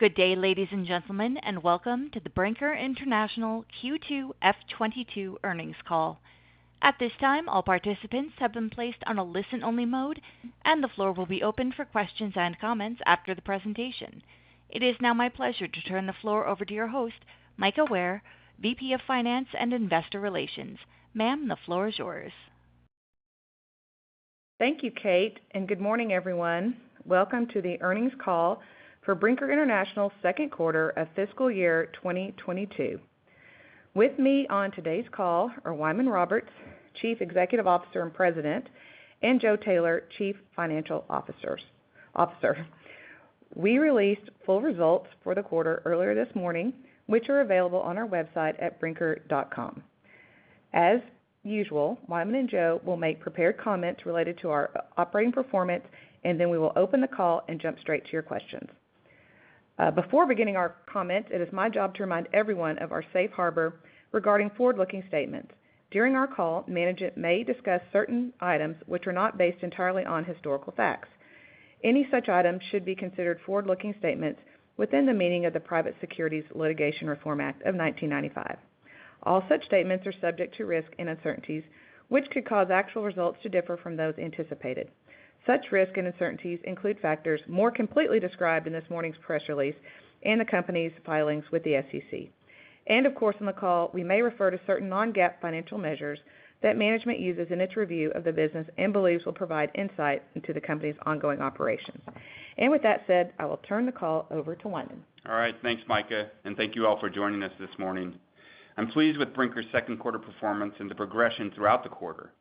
Good day, ladies and gentlemen, and welcome to the Brinker International Q2 Fiscal 2022 earnings call. At this time, all participants have been placed on a listen-only mode, and the floor will be open for questions and comments after the presentation. It is now my pleasure to turn the floor over to your host, Mika Ware, VP of Finance and Investor Relations. Ma'am, the floor is yours. Thank you, Kate, and good morning, everyone. Welcome to the earnings call for Brinker International second quarter of fiscal year 2022. With me on today's call are Wyman Roberts, Chief Executive Officer and President, and Joe Taylor, Chief Financial Officer. We released full results for the quarter earlier this morning, which are available on our website at brinker.com. As usual, Wyman and Joe will make prepared comments related to our operating performance, and then we will open the call and jump straight to your questions. Before beginning our comments, it is my job to remind everyone of our safe harbor regarding forward-looking statements. During our call, management may discuss certain items which are not based entirely on historical facts. Any such items should be considered forward-looking statements within the meaning of the Private Securities Litigation Reform Act of 1995. All such statements are subject to risk and uncertainties which could cause actual results to differ from those anticipated. Such risk and uncertainties include factors more completely described in this morning's press release and the company's filings with the SEC. Of course, on the call we may refer to certain non-GAAP financial measures that management uses in its review of the business and believes will provide insight into the company's ongoing operations. With that said, I will turn the call over to Wyman. All right, thanks, Mika, and thank you all for joining us this morning. I'm pleased with Brinker's second quarter performance and the progression throughout the quarter.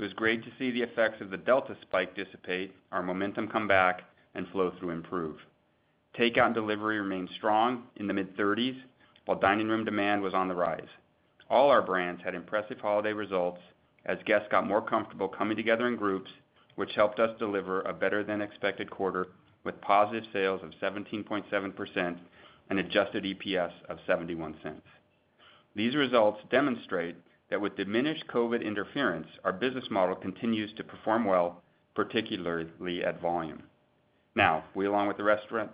It was great to see the effects of the Delta spike dissipate, our momentum come back, and flow-through improve. Takeout and delivery remained strong in the mid-30s, while dining room demand was on the rise. All our brands had impressive holiday results as guests got more comfortable coming together in groups, which helped us deliver a better than expected quarter with positive sales of 17.7% and adjusted EPS of $0.71. These results demonstrate that with diminished COVID interference, our business model continues to perform well, particularly at volume. Now, we along with the rest of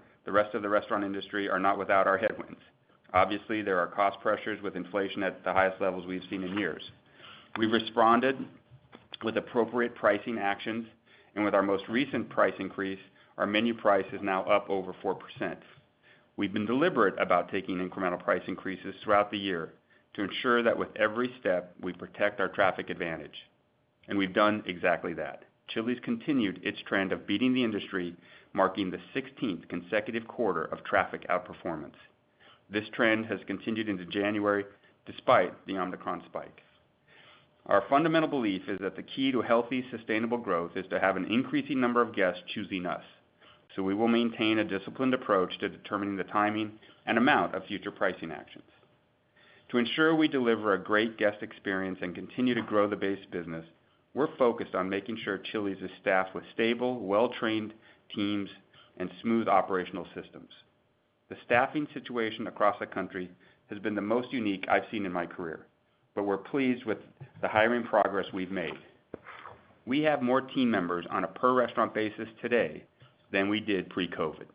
the restaurant industry are not without our headwinds. Obviously, there are cost pressures with inflation at the highest levels we've seen in years. We responded with appropriate pricing actions and with our most recent price increase, our menu price is now up over 4%. We've been deliberate about taking incremental price increases throughout the year to ensure that with every step we protect our traffic advantage, and we've done exactly that. Chili's continued its trend of beating the industry, marking the 16th consecutive quarter of traffic outperformance. This trend has continued into January despite the Omicron spike. Our fundamental belief is that the key to healthy, sustainable growth is to have an increasing number of guests choosing us, so we will maintain a disciplined approach to determining the timing and amount of future pricing actions. To ensure we deliver a great guest experience and continue to grow the base business, we're focused on making sure Chili's is staffed with stable, well-trained teams and smooth operational systems. The staffing situation across the country has been the most unique I've seen in my career, but we're pleased with the hiring progress we've made. We have more team members on a per restaurant basis today than we did pre-COVID.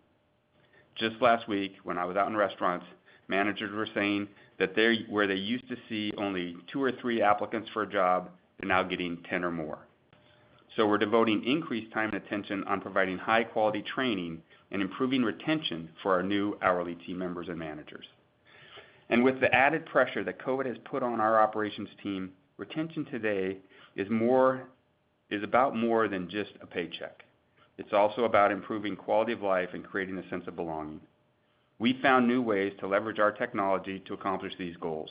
Just last week when I was out in restaurants, managers were saying that where they used to see only two or three applicants for a job, they're now getting 10 or more. We're devoting increased time and attention on providing high quality training and improving retention for our new hourly team members and managers. With the added pressure that COVID has put on our operations team, retention today is about more than just a paycheck. It's also about improving quality of life and creating a sense of belonging. We found new ways to leverage our technology to accomplish these goals.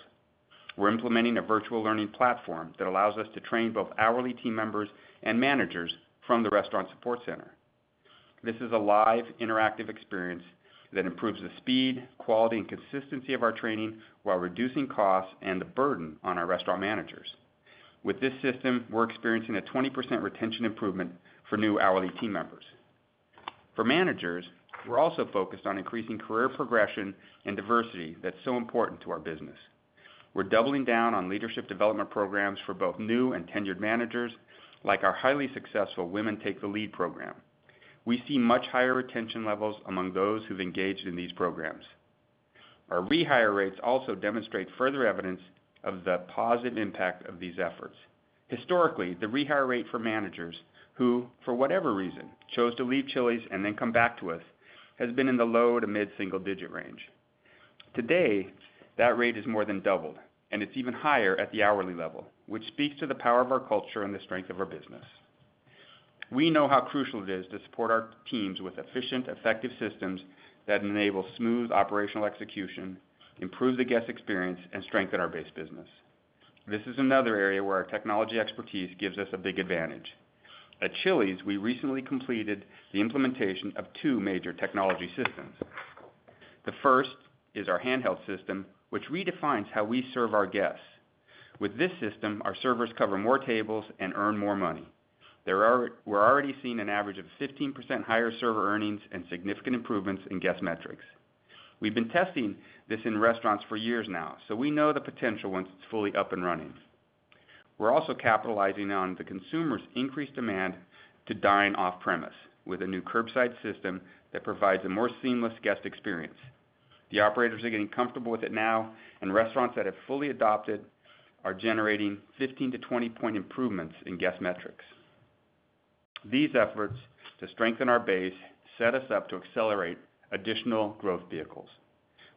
We're implementing a virtual learning platform that allows us to train both hourly team members and managers from the restaurant support center. This is a live interactive experience that improves the speed, quality, and consistency of our training while reducing costs and the burden on our restaurant managers. With this system, we're experiencing a 20% retention improvement for new hourly team members. For managers, we're also focused on increasing career progression and diversity that's so important to our business. We're doubling down on leadership development programs for both new and tenured managers like our highly successful Women Take the Lead program. We see much higher retention levels among those who've engaged in these programs. Our rehire rates also demonstrate further evidence of the positive impact of these efforts. Historically, the rehire rate for managers who, for whatever reason, chose to leave Chili's and then come back to us, has been in the low to mid-single digit range. Today, that rate has more than doubled, and it's even higher at the hourly level, which speaks to the power of our culture and the strength of our business. We know how crucial it is to support our teams with efficient, effective systems that enable smooth operational execution, improve the guest experience, and strengthen our base business. This is another area where our technology expertise gives us a big advantage. At Chili's, we recently completed the implementation of two major technology systems. The first is our handheld system, which redefines how we serve our guests. With this system, our servers cover more tables and earn more money. We're already seeing an average of 15% higher server earnings and significant improvements in guest metrics. We've been testing this in restaurants for years now, so we know the potential once it's fully up and running. We're also capitalizing on the consumer's increased demand to dine off-premise with a new Curbside system that provides a more seamless guest experience. The operators are getting comfortable with it now, and restaurants that have fully adopted are generating 15- to 20-point improvements in guest metrics. These efforts to strengthen our base set us up to accelerate additional growth vehicles.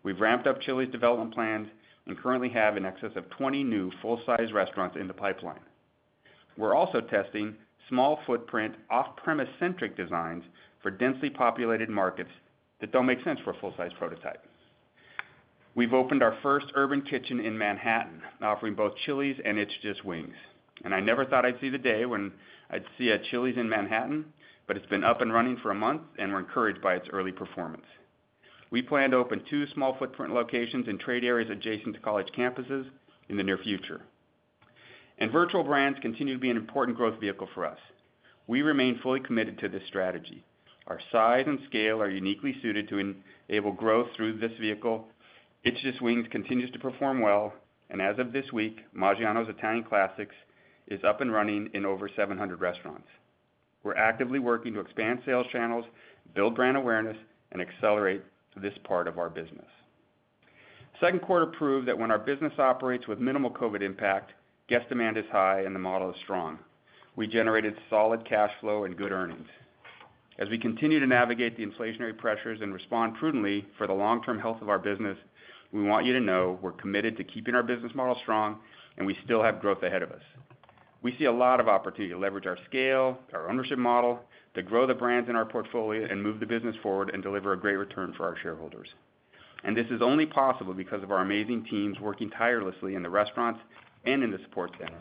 We've ramped up Chili's development plans and currently have in excess of 20 new full-size restaurants in the pipeline. We're also testing small footprint off-premise-centric designs for densely populated markets that don't make sense for a full-size prototype. We've opened our first urban kitchen in Manhattan, offering both Chili's and It's Just Wings. I never thought I'd see the day when I'd see a Chili's in Manhattan, but it's been up and running for a month, and we're encouraged by its early performance. We plan to open two small footprint locations in trade areas adjacent to college campuses in the near future. Virtual brands continue to be an important growth vehicle for us. We remain fully committed to this strategy. Our size and scale are uniquely suited to enable growth through this vehicle. It's Just Wings continues to perform well, and as of this week, Maggiano's Italian Classics is up and running in over 700 restaurants. We're actively working to expand sales channels, build brand awareness, and accelerate this part of our business. Second quarter proved that when our business operates with minimal COVID impact, guest demand is high and the model is strong. We generated solid cash flow and good earnings. As we continue to navigate the inflationary pressures and respond prudently for the long-term health of our business, we want you to know we're committed to keeping our business model strong, and we still have growth ahead of us. We see a lot of opportunity to leverage our scale, our ownership model, to grow the brands in our portfolio and move the business forward and deliver a great return for our shareholders. This is only possible because of our amazing teams working tirelessly in the restaurants and in the support center.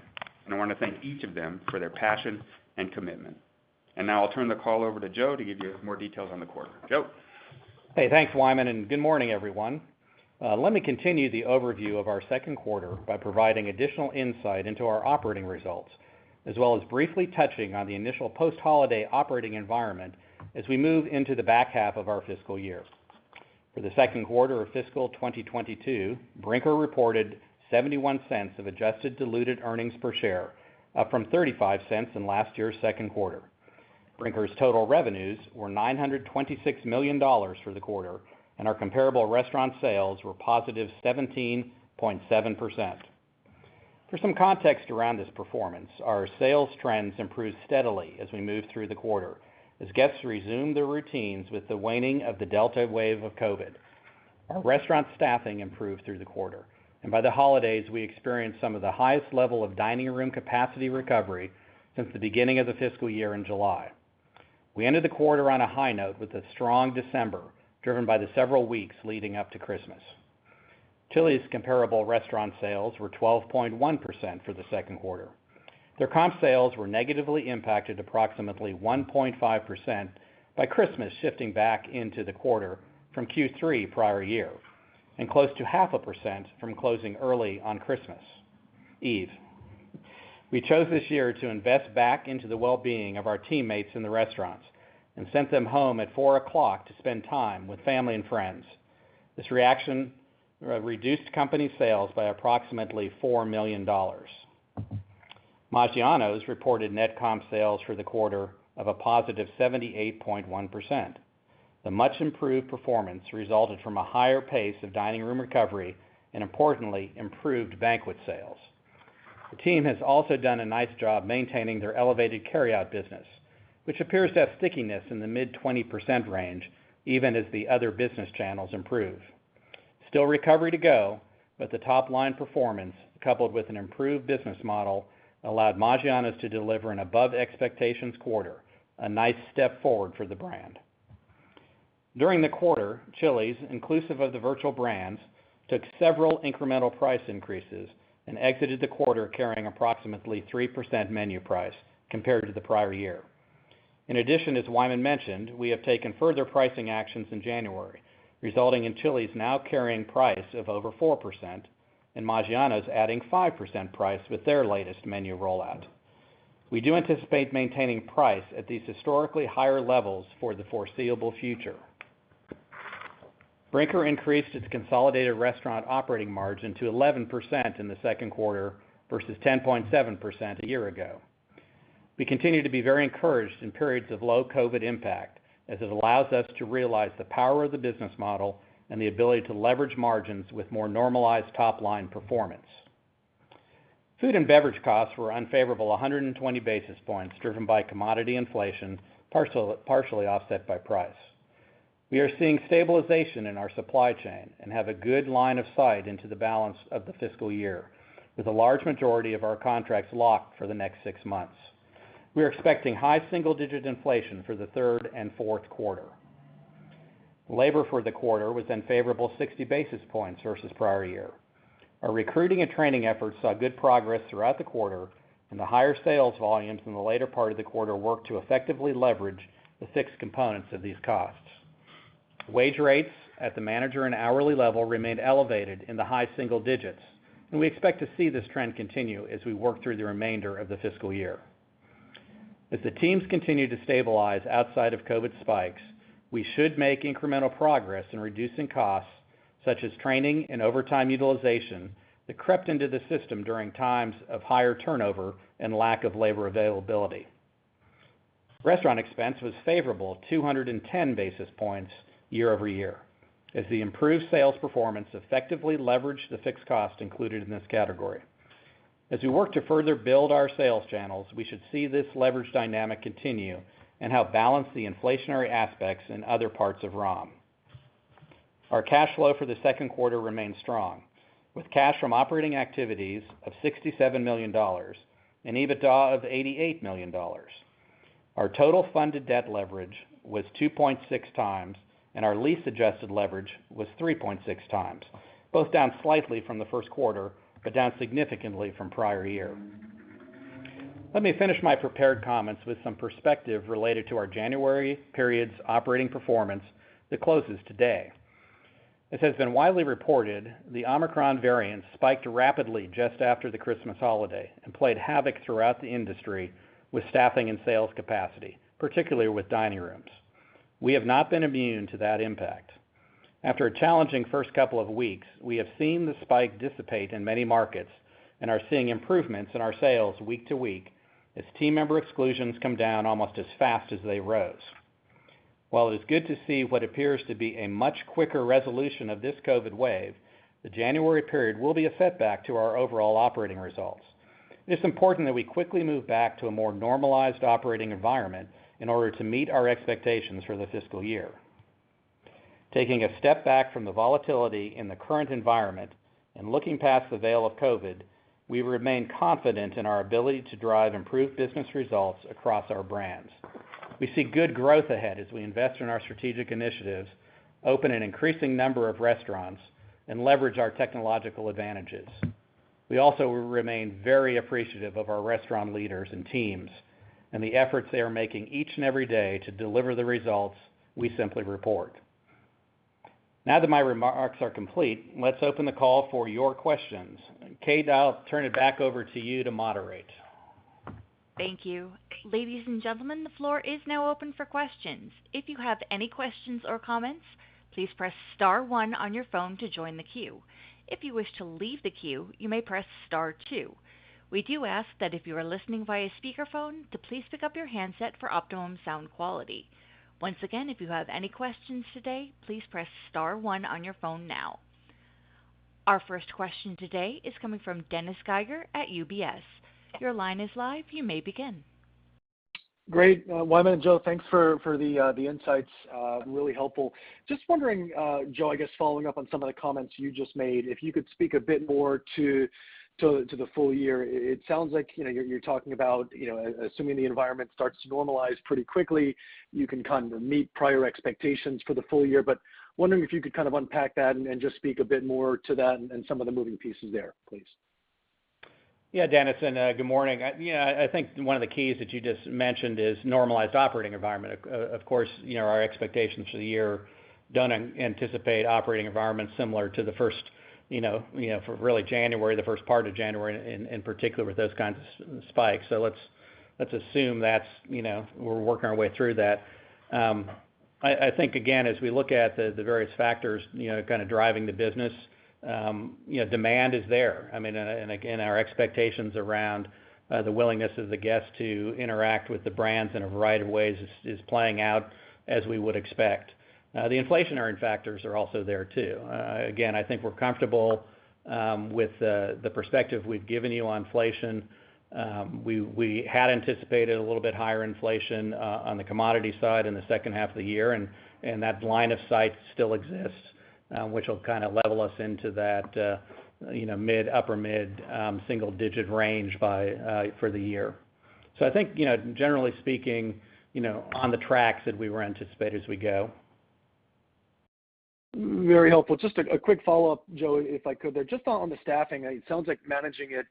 I want to thank each of them for their passion and commitment. Now I'll turn the call over to Joe to give you more details on the quarter. Joe? Hey, thanks, Wyman, and good morning, everyone. Let me continue the overview of our second quarter by providing additional insight into our operating results, as well as briefly touching on the initial post-holiday operating environment as we move into the back half of our fiscal year. For the second quarter of fiscal 2022, Brinker reported $0.71 of adjusted diluted earnings per share, up from $0.35 in last year's second quarter. Brinker's total revenues were $926 million for the quarter, and our comparable restaurant sales were +17.7%. For some context around this performance, our sales trends improved steadily as we moved through the quarter. As guests resumed their routines with the waning of the Delta wave of COVID, our restaurant staffing improved through the quarter. By the holidays, we experienced some of the highest level of dining room capacity recovery since the beginning of the fiscal year in July. We ended the quarter on a high note with a strong December, driven by the several weeks leading up to Christmas. Chili's comparable restaurant sales were 12.1% for the second quarter. Their comp sales were negatively impacted approximately 1.5% by Christmas shifting back into the quarter from Q3 prior year and close to 0.5% from closing early on Christmas Eve. We chose this year to invest back into the well-being of our teammates in the restaurants and sent them home at four o'clock to spend time with family and friends. This reaction reduced company sales by approximately $4 million. Maggiano's reported net comp sales for the quarter of a +78.1%. The much improved performance resulted from a higher pace of dining room recovery and importantly, improved banquet sales. The team has also done a nice job maintaining their elevated carryout business, which appears to have stickiness in the mid-20% range, even as the other business channels improve. Still recovery to go, but the top line performance, coupled with an improved business model, allowed Maggiano's to deliver an above expectations quarter, a nice step forward for the brand. During the quarter, Chili's, inclusive of the virtual brands, took several incremental price increases and exited the quarter carrying approximately 3% menu price compared to the prior year. In addition, as Wyman mentioned, we have taken further pricing actions in January, resulting in Chili's now carrying price of over 4% and Maggiano's adding 5% price with their latest menu rollout. We do anticipate maintaining price at these historically higher levels for the foreseeable future. Brinker increased its consolidated restaurant operating margin to 11% in the second quarter versus 10.7% a year ago. We continue to be very encouraged in periods of low COVID impact as it allows us to realize the power of the business model and the ability to leverage margins with more normalized top line performance. Food and beverage costs were unfavorable 120 basis points driven by commodity inflation, partially offset by price. We are seeing stabilization in our supply chain and have a good line of sight into the balance of the fiscal year, with a large majority of our contracts locked for the next six months. We are expecting high-single-digit inflation for the third and fourth quarter. Labor for the quarter was unfavorable 60 basis points versus prior year. Our recruiting and training efforts saw good progress throughout the quarter, and the higher sales volumes in the later part of the quarter worked to effectively leverage the fixed components of these costs. Wage rates at the manager and hourly level remained elevated in the high-single digits, and we expect to see this trend continue as we work through the remainder of the fiscal year. As the teams continue to stabilize outside of COVID spikes, we should make incremental progress in reducing costs such as training and overtime utilization that crept into the system during times of higher turnover and lack of labor availability. Restaurant expense was favorable 210 basis points year-over-year as the improved sales performance effectively leveraged the fixed cost included in this category. As we work to further build our sales channels, we should see this leverage dynamic continue and help balance the inflationary aspects in other parts of ROM. Our cash flow for the second quarter remained strong, with cash from operating activities of $67 million and EBITDA of $88 million. Our total funded debt leverage was 2.6 times, and our lease-adjusted leverage was 3.6 times, both down slightly from the first quarter, but down significantly from prior year. Let me finish my prepared comments with some perspective related to our January period's operating performance that closes today. As has been widely reported, the Omicron variant spiked rapidly just after the Christmas holiday and played havoc throughout the industry with staffing and sales capacity, particularly with dining rooms. We have not been immune to that impact. After a challenging first couple of weeks, we have seen the spike dissipate in many markets and are seeing improvements in our sales week to week as team member exclusions come down almost as fast as they rose. While it is good to see what appears to be a much quicker resolution of this COVID wave, the January period will be a setback to our overall operating results. It's important that we quickly move back to a more normalized operating environment in order to meet our expectations for the fiscal year. Taking a step back from the volatility in the current environment and looking past the veil of COVID, we remain confident in our ability to drive improved business results across our brands. We see good growth ahead as we invest in our strategic initiatives, open an increasing number of restaurants, and leverage our technological advantages. We also remain very appreciative of our restaurant leaders and teams and the efforts they are making each and every day to deliver the results we simply report. Now that my remarks are complete, let's open the call for your questions. Kate, I'll turn it back over to you to moderate. Thank you. Ladies and gentlemen, the floor is now open for questions. If you have any questions or comments, please press star one on your phone to join the queue. If you wish to leave the queue, you may press star two. We do ask that if you are listening via speakerphone, to please pick up your handset for optimum sound quality. Once again, if you have any questions today, please press star one on your phone now. Our first question today is coming from Dennis Geiger at UBS. Your line is live. You may begin. Great. Wyman and Joe, thanks for the insights, really helpful. Just wondering, Joe, I guess following up on some of the comments you just made, if you could speak a bit more to the full year. It sounds like, you know, you're talking about, you know, assuming the environment starts to normalize pretty quickly, you can kind of meet prior expectations for the full year. Wondering if you could kind of unpack that and just speak a bit more to that and some of the moving pieces there, please. Yeah, Dennis. Good morning. I think one of the keys that you just mentioned is normalized operating environment. Of course, you know, our expectations for the year don't anticipate operating environment similar to the first, you know, for really January, the first part of January in particular with those kinds of spikes. Let's assume that's, you know, we're working our way through that. I think, again, as we look at the various factors, you know, kind of driving the business, you know, demand is there. I mean, again, our expectations around the willingness of the guests to interact with the brands in a variety of ways is playing out as we would expect. The inflationary factors are also there too. Again, I think we're comfortable with the perspective we've given you on inflation. We had anticipated a little bit higher inflation on the commodity side in the second half of the year, and that line of sight still exists, which will kind of level us into that, you know, mid, upper mid, single-digit range by for the year. I think, you know, generally speaking, you know, on the tracks that we were anticipated as we go. Very helpful. Just a quick follow-up, Joe, if I could there. Just on the staffing, it sounds like managing it,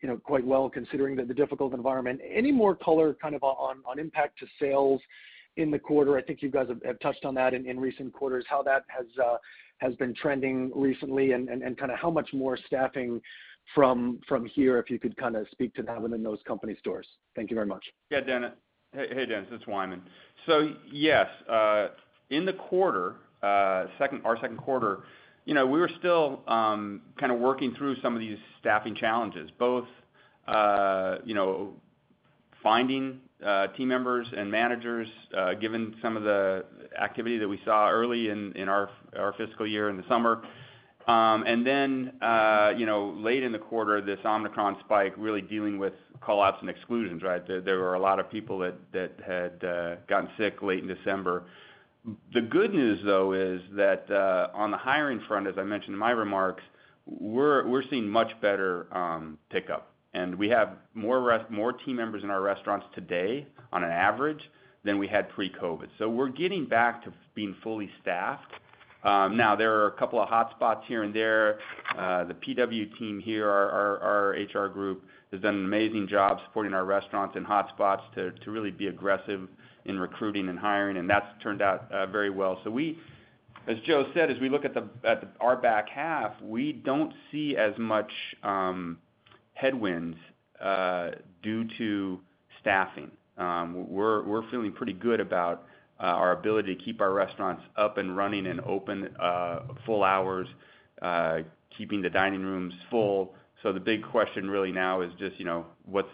you know, quite well considering the difficult environment. Any more color kind of on impact to sales in the quarter? I think you guys have touched on that in recent quarters, how that has been trending recently and kind of how much more staffing from here, if you could kind of speak to that within those company stores. Thank you very much. Yeah, Dennis. Hey, Dennis, it's Wyman. Yes, in the quarter, our second quarter, you know, we were still kind of working through some of these staffing challenges, both you know, finding team members and managers given some of the activity that we saw early in our fiscal year in the summer. Late in the quarter, this Omicron spike really dealing with call outs and exclusions, right? There were a lot of people that had gotten sick late in December. The good news, though, is that on the hiring front, as I mentioned in my remarks, we're seeing much better pickup. We have more team members in our restaurants today on average than we had pre-COVID. We're getting back to being fully staffed. Now there are a couple of hotspots here and there. The PW team here, our HR group, has done an amazing job supporting our restaurants and hotspots to really be aggressive in recruiting and hiring, and that's turned out very well. We As Joe said, as we look at our back half, we don't see as much headwinds due to staffing. We're feeling pretty good about our ability to keep our restaurants up and running and open full hours, keeping the dining rooms full. The big question really now is just, you know, what's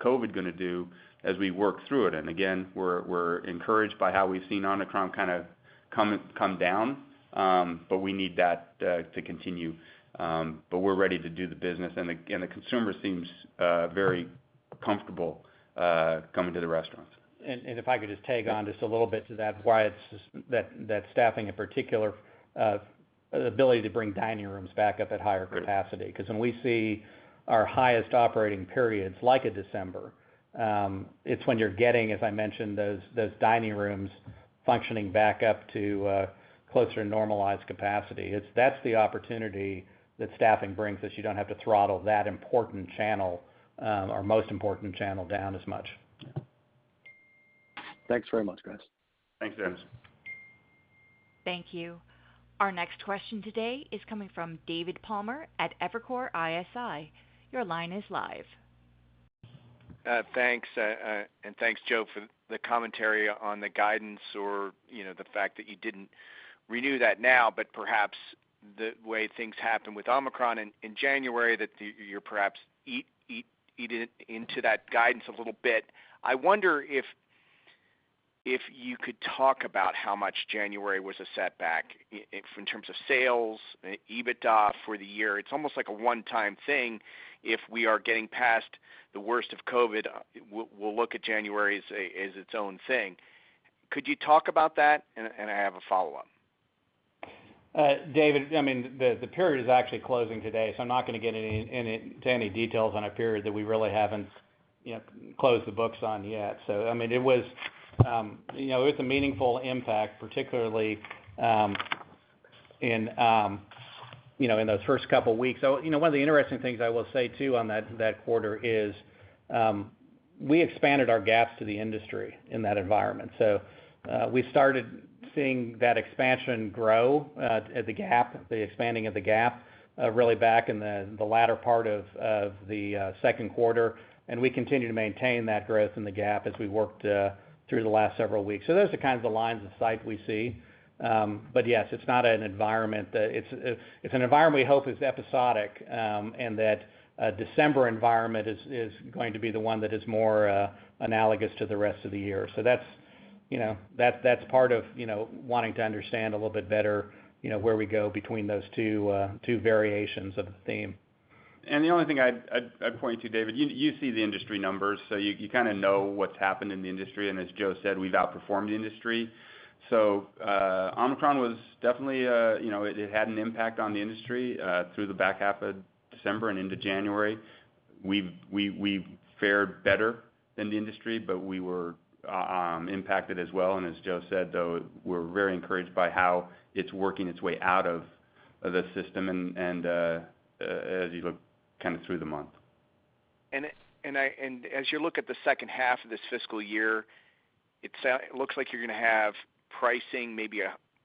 COVID gonna do as we work through it. Again, we're encouraged by how we've seen Omicron kind of come down. We need that to continue. We're ready to do the business and the consumer seems very comfortable coming to the restaurants. If I could just tag on just a little bit to that, why it's just that staffing in particular, ability to bring dining rooms back up at higher capacity. Because when we see our highest operating periods like a December, it's when you're getting, as I mentioned, those dining rooms functioning back up to closer to normalized capacity. That's the opportunity that staffing brings us. You don't have to throttle that important channel, or most important channel down as much. Yeah. Thanks very much, guys. Thanks, Dennis. Thank you. Our next question today is coming from David Palmer at Evercore ISI. Your line is live. Thanks. And thanks, Joe, for the commentary on the guidance or, you know, the fact that you didn't renew that now, but perhaps the way things happened with Omicron in January, that you're perhaps eating into that guidance a little bit. I wonder if you could talk about how much January was a setback in terms of sales, EBITDA for the year. It's almost like a one-time thing if we are getting past the worst of COVID. We'll look at January as its own thing. Could you talk about that? And I have a follow-up. David, I mean, the period is actually closing today, so I'm not gonna get any details on a period that we really haven't, you know, closed the books on yet. I mean, it was a meaningful impact, particularly, you know, in those first couple weeks. You know, one of the interesting things I will say too on that quarter is we expanded our gaps to the industry in that environment. We started seeing that expansion grow at the gap, the expanding of the gap, really back in the latter part of the second quarter, and we continue to maintain that growth in the gap as we worked through the last several weeks. Those are kind of the lines of sight we see. Yes, it's not an environment. It's an environment we hope is episodic, and that a December environment is going to be the one that is more analogous to the rest of the year. That's you know, part of you know, wanting to understand a little bit better you know, where we go between those two variations of the theme. The only thing I'd point to, David, you see the industry numbers, so you kinda know what's happened in the industry. As Joe said, we've outperformed the industry. Omicron was definitely it had an impact on the industry through the back half of December and into January. We've fared better than the industry, but we were impacted as well. As Joe said, though, we're very encouraged by how it's working its way out of the system and as you look kind of through the month. As you look at the second half of this fiscal year, it looks like you're gonna have pricing, maybe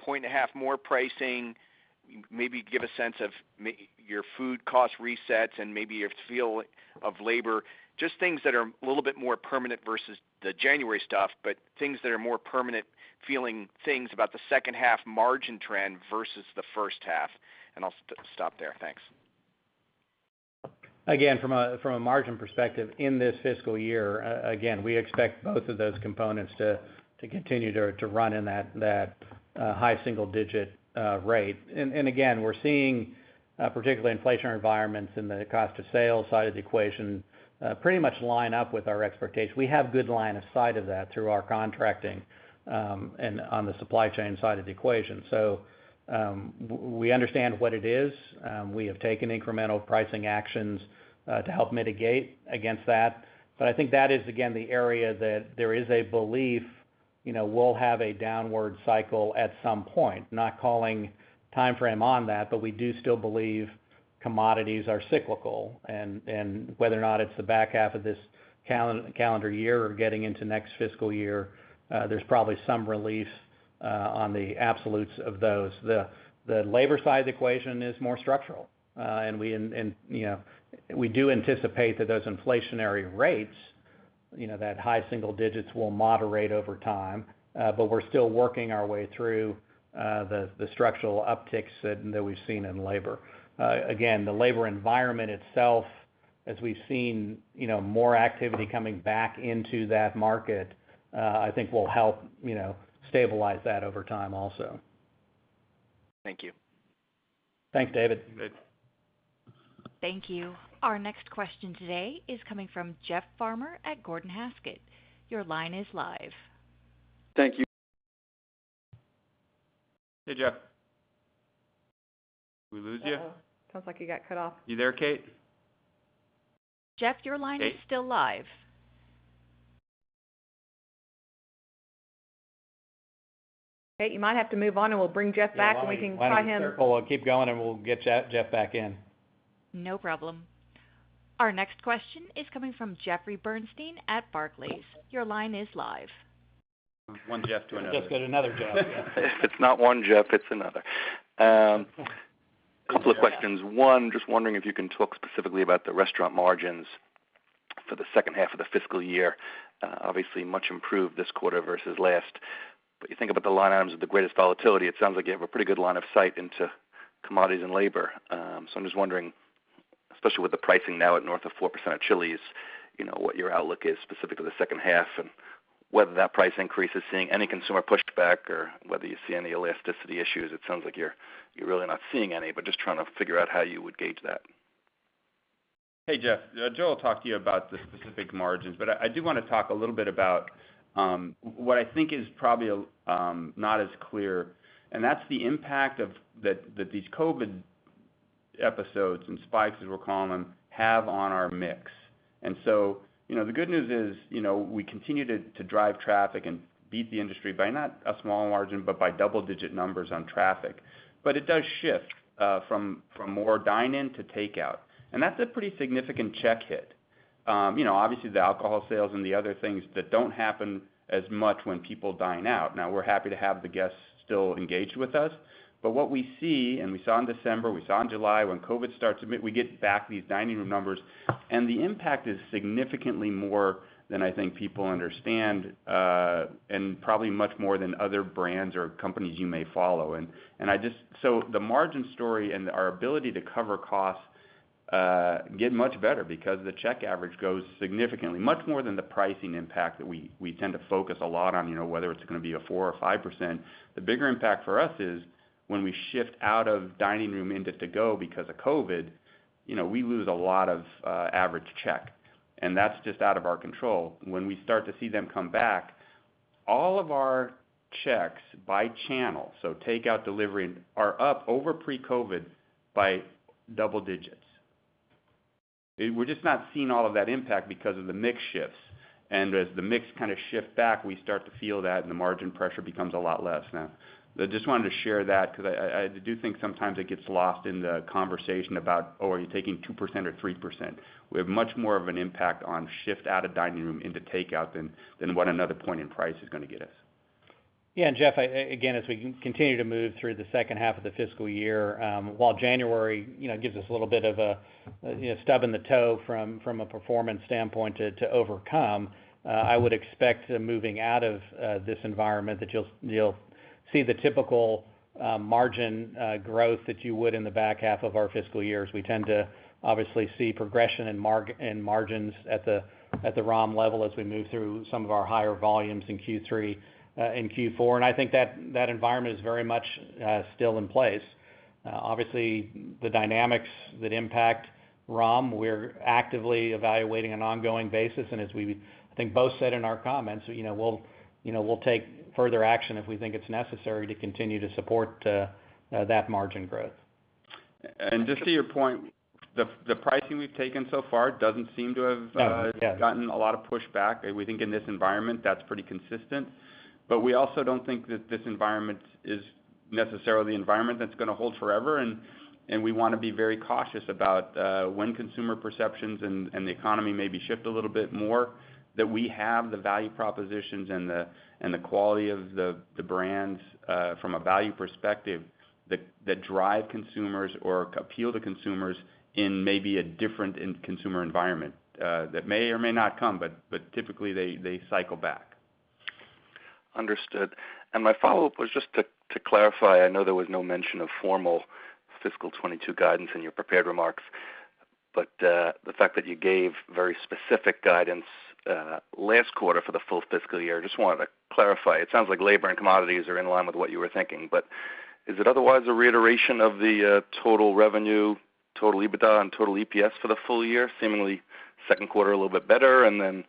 1.5 more pricing. Maybe give a sense of your food cost resets and maybe your labor, just things that are a little bit more permanent versus the January stuff, but things that are more permanent-feeling things about the second half margin trend versus the first half, and I'll stop there. Thanks. Again, from a margin perspective in this fiscal year, again, we expect both of those components to continue to run in that high-single-digit rate. Again, we're seeing particularly inflationary environments in the cost of sales side of the equation pretty much line up with our expectations. We have good line of sight of that through our contracting and on the supply chain side of the equation. We understand what it is. We have taken incremental pricing actions to help mitigate against that. I think that is, again, the area that there is a belief, you know, we'll have a downward cycle at some point, not calling timeframe on that, but we do still believe commodities are cyclical. Whether or not it's the back half of this calendar year or getting into next fiscal year, there's probably some relief on the absolutes of those. The labor side of the equation is more structural. We do anticipate that those inflationary rates, you know, that high single digits will moderate over time, but we're still working our way through the structural upticks that we've seen in labor. Again, the labor environment itself, as we've seen, you know, more activity coming back into that market, I think will help, you know, stabilize that over time also. Thank you. Thanks, David. You bet. Thank you. Our next question today is coming from Jeff Farmer at Gordon Haskett. Your line is live. Thank you. Hey, Jeff. We lose you? Sounds like he got cut off. You there, Kate? Jeff, your line- Kate? is still live. Kate, you might have to move on, and we'll bring Jeff back, and we can try him. Yeah, why don't we circle and keep going, and we'll get Jeff back in. No problem. Our next question is coming from Jeffrey Bernstein at Barclays. Your line is live. One Jeff to another. Jeff's got another Jeff. Yeah. If it's not one Jeff, it's another. Couple of questions. One, just wondering if you can talk specifically about the restaurant margins for the second half of the fiscal year. Obviously much improved this quarter versus last. You think about the line items with the greatest volatility, it sounds like you have a pretty good line of sight into commodities and labor. I'm just wondering, especially with the pricing now at north of 4% at Chili's, you know, what your outlook is specific to the second half and whether that price increase is seeing any consumer pushback or whether you see any elasticity issues. It sounds like you're really not seeing any, but just trying to figure out how you would gauge that. Hey, Jeff. Joe will talk to you about the specific margins, but I do wanna talk a little bit about what I think is probably not as clear, and that's the impact of that these COVID episodes and spikes, as we're calling them, have on our mix. You know, the good news is, you know, we continue to drive traffic and beat the industry by not a small margin, but by double-digit numbers on traffic. But it does shift from more dine-in to takeout, and that's a pretty significant check hit. You know, obviously, the alcohol sales and the other things that don't happen as much when people dine out. Now, we're happy to have the guests still engaged with us, but what we see, and we saw in December, we saw in July, when COVID starts, we get back these dining room numbers, and the impact is significantly more than I think people understand, and probably much more than other brands or companies you may follow. The margin story and our ability to cover costs get much better because the check average goes significantly, much more than the pricing impact that we tend to focus a lot on, you know, whether it's gonna be a 4% or 5%. The bigger impact for us is when we shift out of dining room into To Go because of COVID, you know, we lose a lot of average check, and that's just out of our control. When we start to see them come back, all of our checks by channel, so takeout, delivery, are up over pre-COVID by double digits. We're just not seeing all of that impact because of the mix shifts. As the mix kinda shift back, we start to feel that, and the margin pressure becomes a lot less now. I just wanted to share that because I do think sometimes it gets lost in the conversation about, oh, are you taking 2% or 3%? We have much more of an impact on shift out of dining room into takeout than what another point in price is gonna get us. Yeah. Jeff, again, as we continue to move through the second half of the fiscal year, while January, you know, gives us a little bit of a, you know, stub in the toe from a performance standpoint to overcome, I would expect moving out of this environment that you'll see the typical margin growth that you would in the back half of our fiscal years. We tend to obviously see progression in margins at the ROM level as we move through some of our higher volumes in Q3 in Q4. I think that environment is very much still in place. Obviously, the dynamics that impact ROM, we're actively evaluating on an ongoing basis. As we, I think, both said in our comments, you know, we'll take further action if we think it's necessary to continue to support that margin growth. Just to your point, the pricing we've taken so far doesn't seem to have Oh, yeah. We've gotten a lot of pushback. We think in this environment, that's pretty consistent. We also don't think that this environment is necessarily the environment that's gonna hold forever, and we wanna be very cautious about when consumer perceptions and the economy maybe shift a little bit more, that we have the value propositions and the quality of the brands from a value perspective that drive consumers or appeal to consumers in maybe a different end consumer environment that may or may not come, but typically they cycle back. Understood. My follow-up was just to clarify. I know there was no mention of formal fiscal 2022 guidance in your prepared remarks, but the fact that you gave very specific guidance last quarter for the full fiscal year, I just wanted to clarify. It sounds like labor and commodities are in line with what you were thinking. Is it otherwise a reiteration of the total revenue, total EBITDA, and total EPS for the full year? Seemingly second quarter a little bit better, and then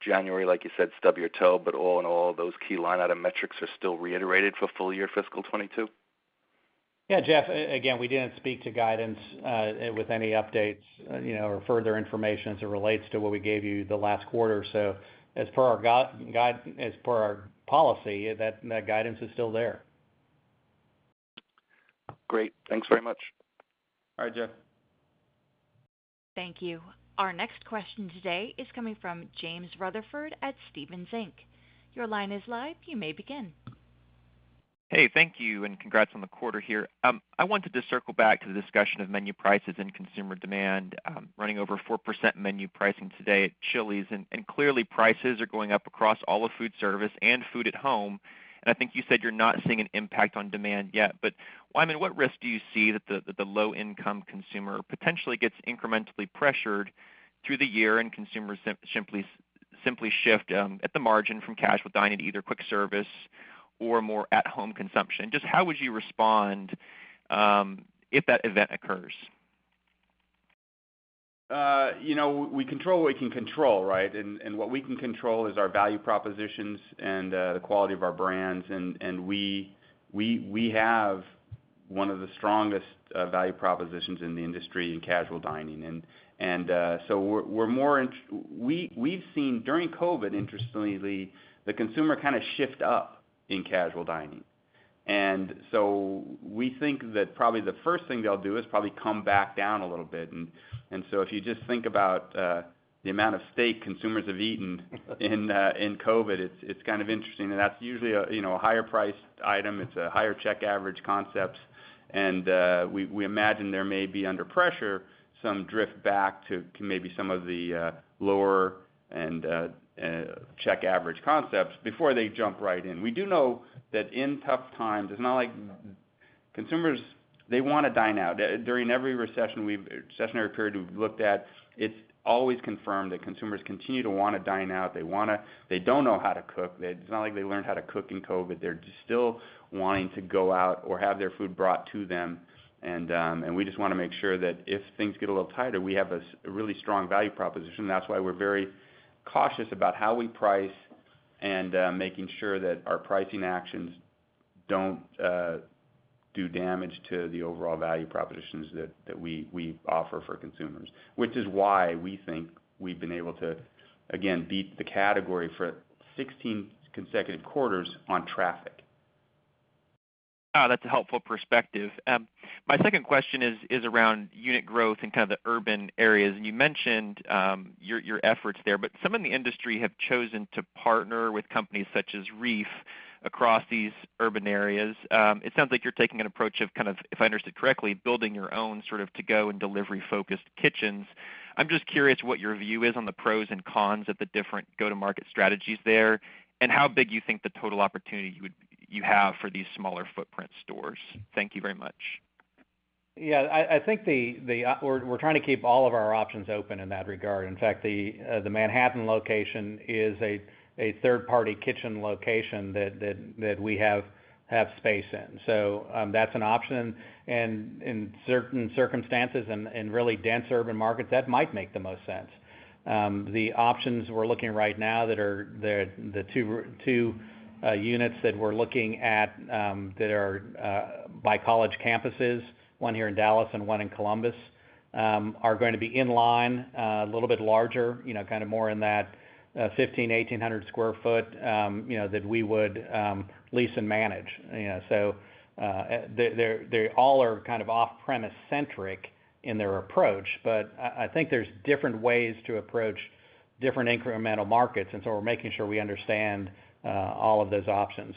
January, like you said, stub your toe. All in all, those key line item metrics are still reiterated for full year fiscal 2022. Yeah, Jeff. Again, we didn't speak to guidance with any updates, you know, or further information as it relates to what we gave you the last quarter. As per our policy, that guidance is still there. Great. Thanks very much. All right, Jeff. Thank you. Our next question today is coming from James Rutherford at Stephens Inc. Your line is live. You may begin. Hey. Thank you, and congrats on the quarter here. I wanted to circle back to the discussion of menu prices and consumer demand, running over 4% menu pricing today at Chili's. Clearly, prices are going up across all of food service and food at home, and I think you said you're not seeing an impact on demand yet. Wyman, what risk do you see that the low income consumer potentially gets incrementally pressured through the year and consumers simply shift at the margin from casual dining to either quick service or more at-home consumption? Just how would you respond if that event occurs? You know, we control what we can control, right? What we can control is our value propositions and the quality of our brands. We have one of the strongest value propositions in the industry in casual dining. We've seen during COVID, interestingly, the consumer kinda shift up in casual dining. We think that probably the first thing they'll do is probably come back down a little bit. If you just think about the amount of steak consumers have eaten in COVID, it's kind of interesting, and that's usually a, you know, a higher priced item. It's a higher check average concepts. We imagine there may be, under pressure, some drift back to maybe some of the lower and check average concepts before they jump right in. We do know that in tough times, it's not like consumers, they wanna dine out. During every recessionary period we've looked at, it's always confirmed that consumers continue to wanna dine out. They don't know how to cook. It's not like they learned how to cook in COVID. They're just still wanting to go out or have their food brought to them. We just wanna make sure that if things get a little tighter, we have a really strong value proposition. That's why we're very cautious about how we price and making sure that our pricing actions don't do damage to the overall value propositions that we offer for consumers, which is why we think we've been able to, again, beat the category for 16 consecutive quarters on traffic. That's a helpful perspective. My second question is around unit growth in kind of the urban areas. You mentioned your efforts there, but some in the industry have chosen to partner with companies such as REEF across these urban areas. It sounds like you're taking an approach of kind of, if I understand correctly, building your own sort of To Go and delivery-focused kitchens. I'm just curious what your view is on the pros and cons of the different go-to-market strategies there, and how big you think the total opportunity you have for these smaller footprint stores. Thank you very much. Yeah. I think the-- We're trying to keep all of our options open in that regard. In fact, the Manhattan location is a third-party kitchen location that we have space in. That's an option. In certain circumstances and really dense urban markets, that might make the most sense. The options we're looking at right now are the two units that are by college campuses, one here in Dallas and one in Columbus, are going to be in line, a little bit larger, you know, kind of more in that 1,500-1,800 sq ft, you know, that we would lease and manage, you know. They all are kind of off-premise centric in their approach, but I think there's different ways to approach different incremental markets. We're making sure we understand all of those options.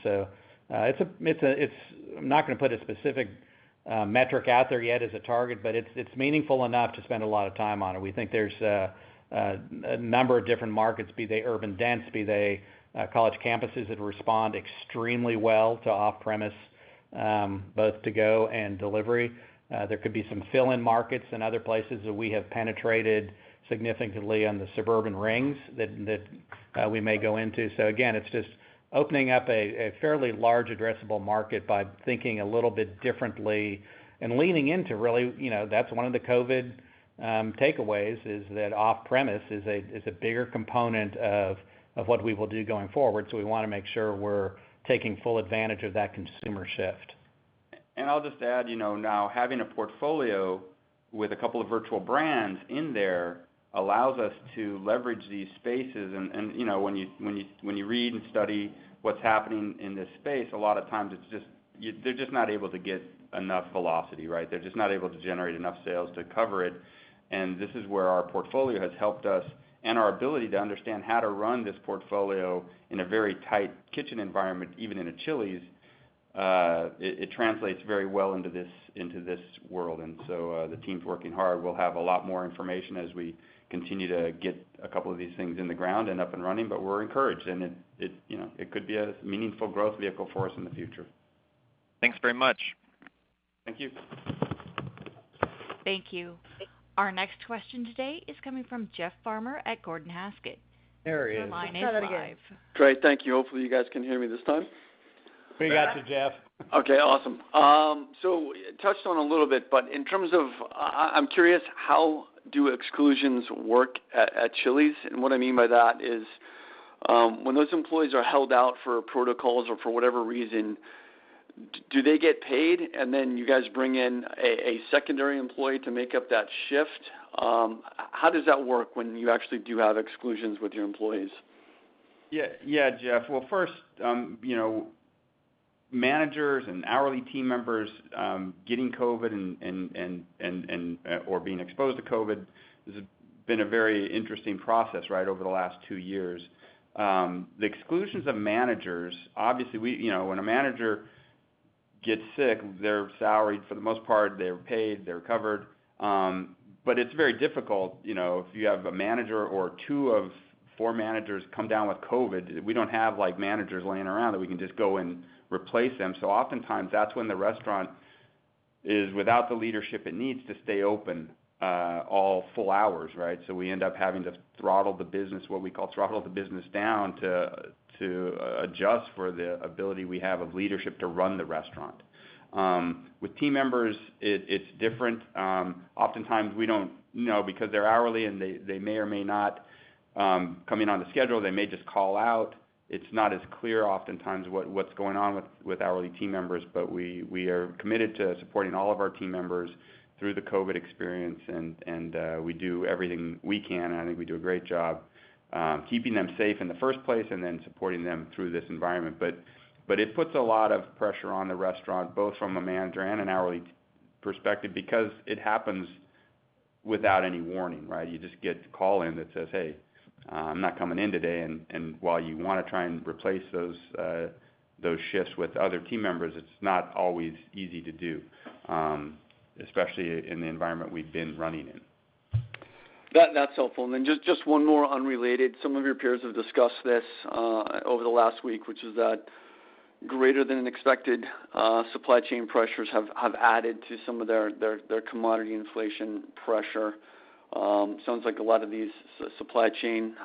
I'm not gonna put a specific metric out there yet as a target, but it's meaningful enough to spend a lot of time on it. We think there's a number of different markets, be they urban dense, be they college campuses that respond extremely well to off-premise both To Go and delivery. There could be some fill-in markets in other places that we have penetrated significantly on the suburban rings that we may go into. Again, it's just opening up a fairly large addressable market by thinking a little bit differently and leaning into really, you know, that's one of the COVID takeaways is that off-premise is a bigger component of what we will do going forward. We wanna make sure we're taking full advantage of that consumer shift. I'll just add, you know, now having a portfolio with a couple of virtual brands in there allows us to leverage these spaces. You know, when you read and study what's happening in this space, a lot of times it's just, they're just not able to get enough velocity, right? They're just not able to generate enough sales to cover it. This is where our portfolio has helped us and our ability to understand how to run this portfolio in a very tight kitchen environment, even in a Chili's, it translates very well into this world. The team's working hard. We'll have a lot more information as we continue to get a couple of these things in the ground and up and running. We're encouraged, and it, you know, it could be a meaningful growth vehicle for us in the future. Thanks very much. Thank you. Thank you. Our next question today is coming from Jeff Farmer at Gordon Haskett. There he is. Your line is live. Try that again. Great. Thank you. Hopefully, you guys can hear me this time. We got you, Jeff. Okay, awesome. So touched on a little bit, but in terms of, I'm curious, how do exclusions work at Chili's? And what I mean by that is, when those employees are held out for protocols or for whatever reason, do they get paid, and then you guys bring in a secondary employee to make up that shift? How does that work when you actually do have exclusions with your employees? Yeah. Yeah, Jeff. Well, first, you know, managers and hourly team members, getting COVID or being exposed to COVID has been a very interesting process, right, over the last two years. The exclusions of managers, obviously, we, you know, when a manager gets sick, they're salaried. For the most part, they're paid, they're covered. It's very difficult, you know, if you have a manager or two of four managers come down with COVID. We don't have like managers laying around that we can just go and replace them. Oftentimes, that's when the restaurant is without the leadership it needs to stay open, all full hours, right? We end up having to throttle the business, what we call throttle the business down to adjust for the ability we have of leadership to run the restaurant. With team members, it's different. Oftentimes, we don't know because they're hourly, and they may or may not come in on the schedule. They may just call out. It's not as clear oftentimes what's going on with hourly team members. We are committed to supporting all of our team members through the COVID experience, and we do everything we can. I think we do a great job keeping them safe in the first place and then supporting them through this environment. It puts a lot of pressure on the restaurant, both from a manager and an hourly perspective because it happens without any warning, right? You just get a call in that says, "Hey, I'm not coming in today." While you wanna try and replace those shifts with other team members, it's not always easy to do, especially in the environment we've been running in. That's helpful. Just one more unrelated. Some of your peers have discussed this over the last week, which is that greater than expected supply chain pressures have added to some of their commodity inflation pressure. Sounds like a lot of these supply chain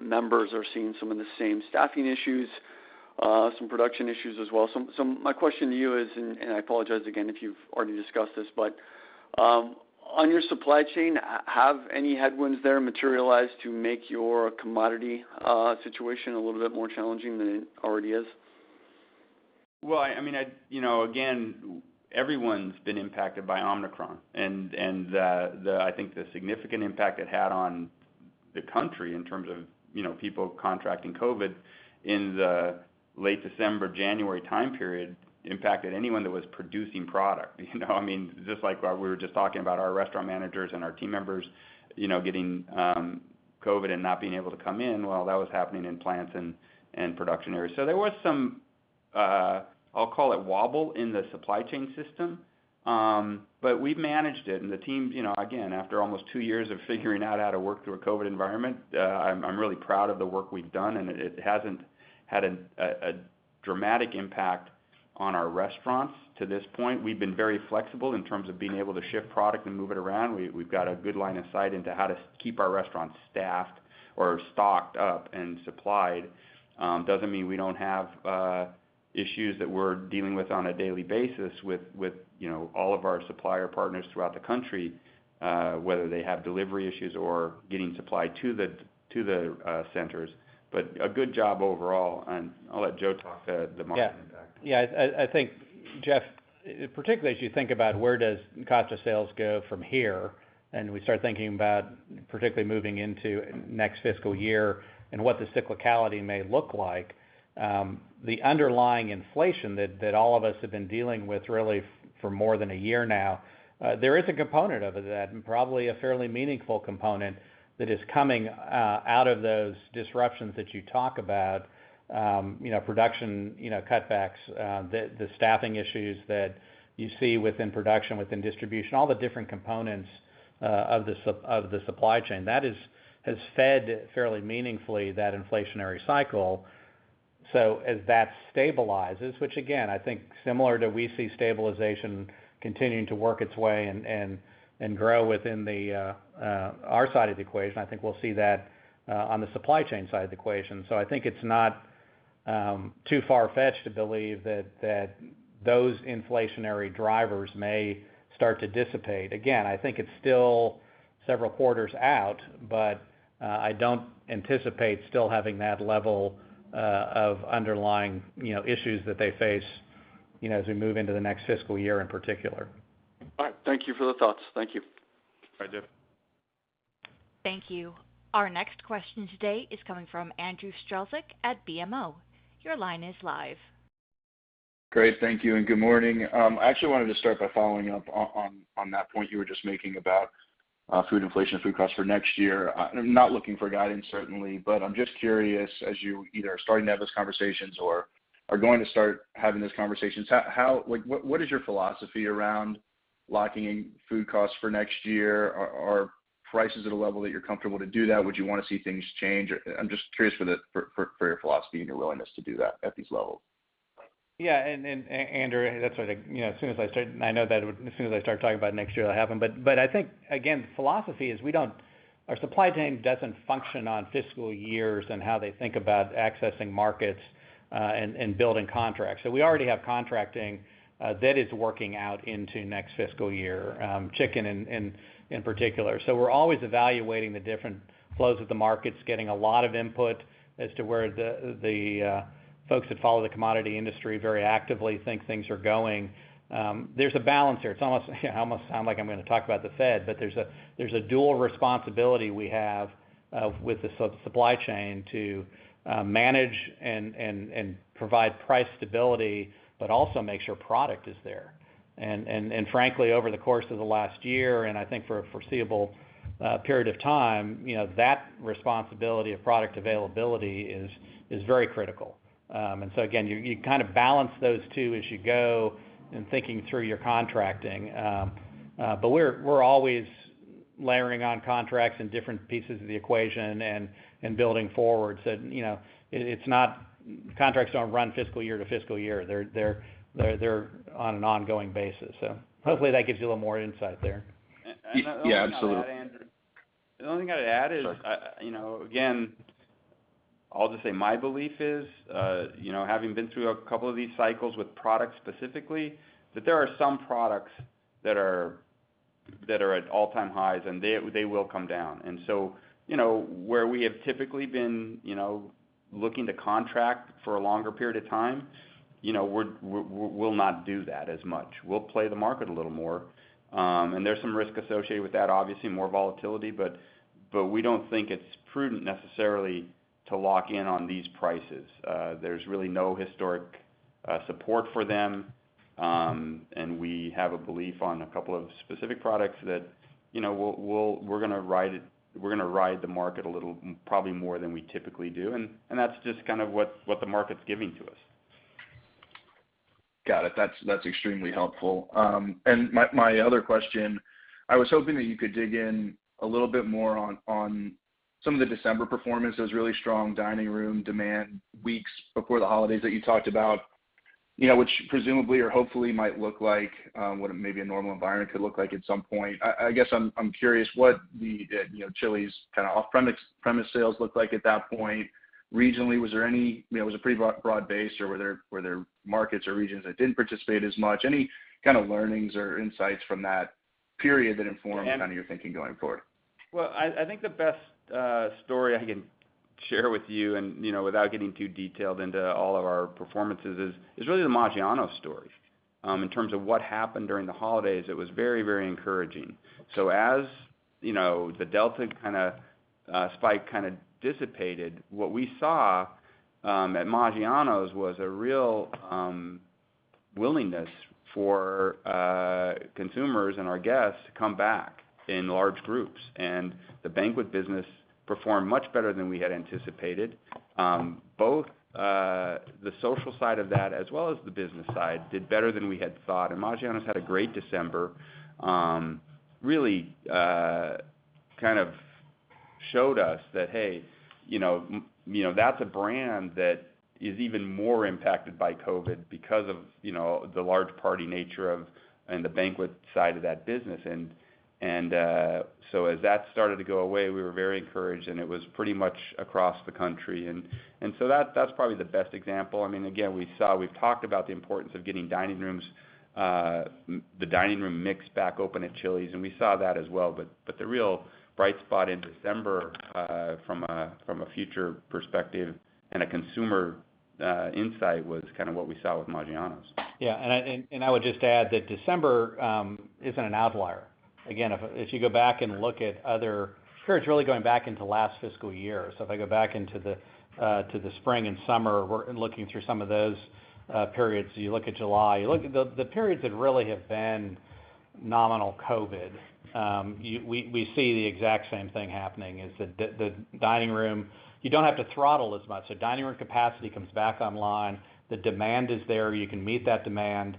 members are seeing some of the same staffing issues, some production issues as well. My question to you is, and I apologize again if you've already discussed this, but on your supply chain, have any headwinds there materialized to make your commodity situation a little bit more challenging than it already is? Well, I mean, you know, again, everyone's been impacted by Omicron. I think the significant impact it had on the country in terms of, you know, people contracting COVID in the late December, January time period impacted anyone that was producing product. You know what I mean? Just like we were just talking about our restaurant managers and our team members, you know, getting COVID and not being able to come in, well, that was happening in plants and production areas. There was some, I'll call it wobble in the supply chain system. We've managed it, and the team, you know, again, after almost two years of figuring out how to work through a COVID environment, I'm really proud of the work we've done, and it hasn't had a dramatic impact on our restaurants to this point. We've been very flexible in terms of being able to ship product and move it around. We've got a good line of sight into how to keep our restaurants staffed or stocked up and supplied. Doesn't mean we don't have issues that we're dealing with on a daily basis with, you know, all of our supplier partners throughout the country, whether they have delivery issues or getting supply to the centers. A good job overall, and I'll let Joe talk to the market impact. Yeah. Yeah. I think, Jeff, particularly as you think about where does cost of sales go from here, and we start thinking about particularly moving into next fiscal year and what the cyclicality may look like, the underlying inflation that all of us have been dealing with really for more than a year now, there is a component of that, and probably a fairly meaningful component, that is coming out of those disruptions that you talk about, you know, production, you know, cutbacks, the staffing issues that you see within production, within distribution, all the different components of the supply chain. That has fed fairly meaningfully that inflationary cycle. As that stabilizes, which again, I think similar to we see stabilization continuing to work its way and grow within our side of the equation, I think we'll see that on the supply chain side of the equation. I think it's not too far-fetched to believe that those inflationary drivers may start to dissipate. Again, I think it's still several quarters out, but I don't anticipate still having that level of underlying, you know, issues that they face, you know, as we move into the next fiscal year in particular. All right. Thank you for the thoughts. Thank you. All right. Take care. Thank you. Our next question today is coming from Andrew Strelzik at BMO. Your line is live. Great. Thank you, and good morning. I actually wanted to start by following up on that point you were just making about food inflation, food costs for next year. I'm not looking for guidance certainly, but I'm just curious, as you either are starting to have those conversations or are going to start having those conversations, like, what is your philosophy around locking in food costs for next year? Are prices at a level that you're comfortable to do that? Would you wanna see things change? I'm just curious for your philosophy and your willingness to do that at these levels. Yeah. Andrew, that's why, you know, I know that as soon as I start talking about next year, it'll happen. I think again, our philosophy is our supply chain doesn't function on fiscal years and how they think about accessing markets, and building contracts. We already have contracting that is working out into next fiscal year, chicken in particular. We're always evaluating the different flows of the markets, getting a lot of input as to where the folks that follow the commodity industry very actively think things are going. There's a balance here. It almost sounds like I'm gonna talk about the Fed, but there's a dual responsibility we have with the supply chain to manage and provide price stability, but also make sure product is there. Frankly, over the course of the last year, and I think for a foreseeable period of time, you know, that responsibility of product availability is very critical. You kind of balance those two as you go in thinking through your contracting. We're always layering on contracts in different pieces of the equation and building forward. Contracts don't run fiscal year to fiscal year. They're on an ongoing basis. Hopefully that gives you a little more insight there. Yeah, absolutely. The only thing I'd add, Andrew, is. Sure You know, again, I'll just say my belief is, you know, having been through a couple of these cycles with products specifically, that there are some products that are at all-time highs, and they will come down. You know, where we have typically been, you know, looking to contract for a longer period of time, you know, we'll not do that as much. We'll play the market a little more. There's some risk associated with that, obviously more volatility, but we don't think it's prudent necessarily to lock in on these prices. There's really no historical support for them, and we have a belief on a couple of specific products that, you know, we're gonna ride the market a little, probably more than we typically do, and that's just kind of what the market's giving to us. Got it. That's extremely helpful. My other question, I was hoping that you could dig in a little bit more on some of the December performance, those really strong dining room demand weeks before the holidays that you talked about, you know, which presumably or hopefully might look like what maybe a normal environment could look like at some point. I guess I'm curious what the, you know, Chili's kind of off-premise sales looked like at that point. Regionally, was there any. You know, was it pretty broad-based, or were there markets or regions that didn't participate as much? Any kind of learnings or insights from that period that informed any of your thinking going forward? Well, I think the best story I can share with you and, you know, without getting too detailed into all of our performances is really the Maggiano's story. In terms of what happened during the holidays, it was very, very encouraging. As you know, the Delta kinda spike kinda dissipated, what we saw at Maggiano's was a real willingness for consumers and our guests to come back in large groups. The banquet business performed much better than we had anticipated. Both the social side of that as well as the business side did better than we had thought. Maggiano's had a great December. Really, kind of showed us that, hey, you know, that's a brand that is even more impacted by COVID because of, you know, the large party nature of and the banquet side of that business. As that started to go away, we were very encouraged, and it was pretty much across the country. That's probably the best example. I mean, again, we saw, we've talked about the importance of getting dining rooms, the dining room mix back open at Chili's, and we saw that as well. The real bright spot in December, from a future perspective and a consumer insight, was kind of what we saw with Maggiano's. Yeah, I would just add that December isn't an outlier. Again, if you go back and look at other here, it's really going back into last fiscal year. If I go back to the spring and summer, we're looking through some of those periods. You look at July. The periods that really have been nominal COVID, we see the exact same thing happening is that the dining room, you don't have to throttle as much. Dining room capacity comes back online, the demand is there, you can meet that demand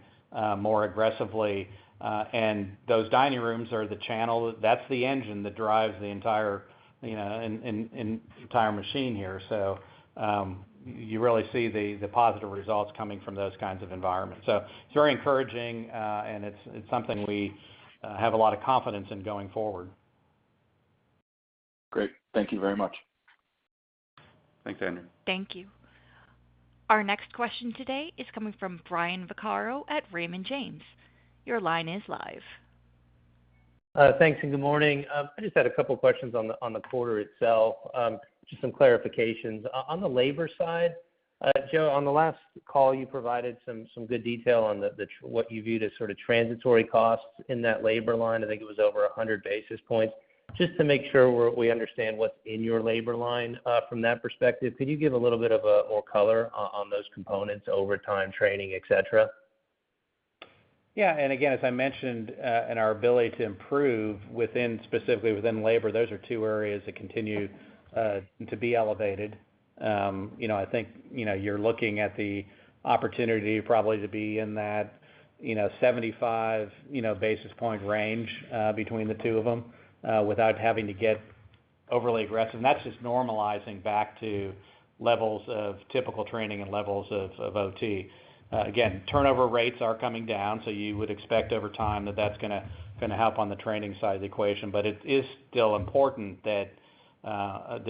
more aggressively, and those dining rooms are the channel. That's the engine that drives the entire, you know, entire machine here. You really see the positive results coming from those kinds of environments. It's very encouraging, and it's something we have a lot of confidence in going forward. Great. Thank you very much. Thanks, Andrew Strelzik. Thank you. Our next question today is coming from Brian Vaccaro at Raymond James. Your line is live. Thanks and good morning. I just had a couple questions on the quarter itself, just some clarifications. On the labor side, Joe, on the last call, you provided some good detail on what you viewed as sort of transitory costs in that labor line. I think it was over 100 basis points. Just to make sure we understand what's in your labor line, from that perspective, could you give a little bit of more color on those components, over time training, et cetera? Yeah. Again, as I mentioned, in our ability to improve within, specifically within labor, those are two areas that continue to be elevated. You know, I think, you know, you're looking at the opportunity probably to be in that, you know, 75, you know, basis point range, between the two of them, without having to get overly aggressive. That's just normalizing back to levels of typical training and levels of OT. Again, turnover rates are coming down, so you would expect over time that that's gonna help on the training side of the equation. But it is still important that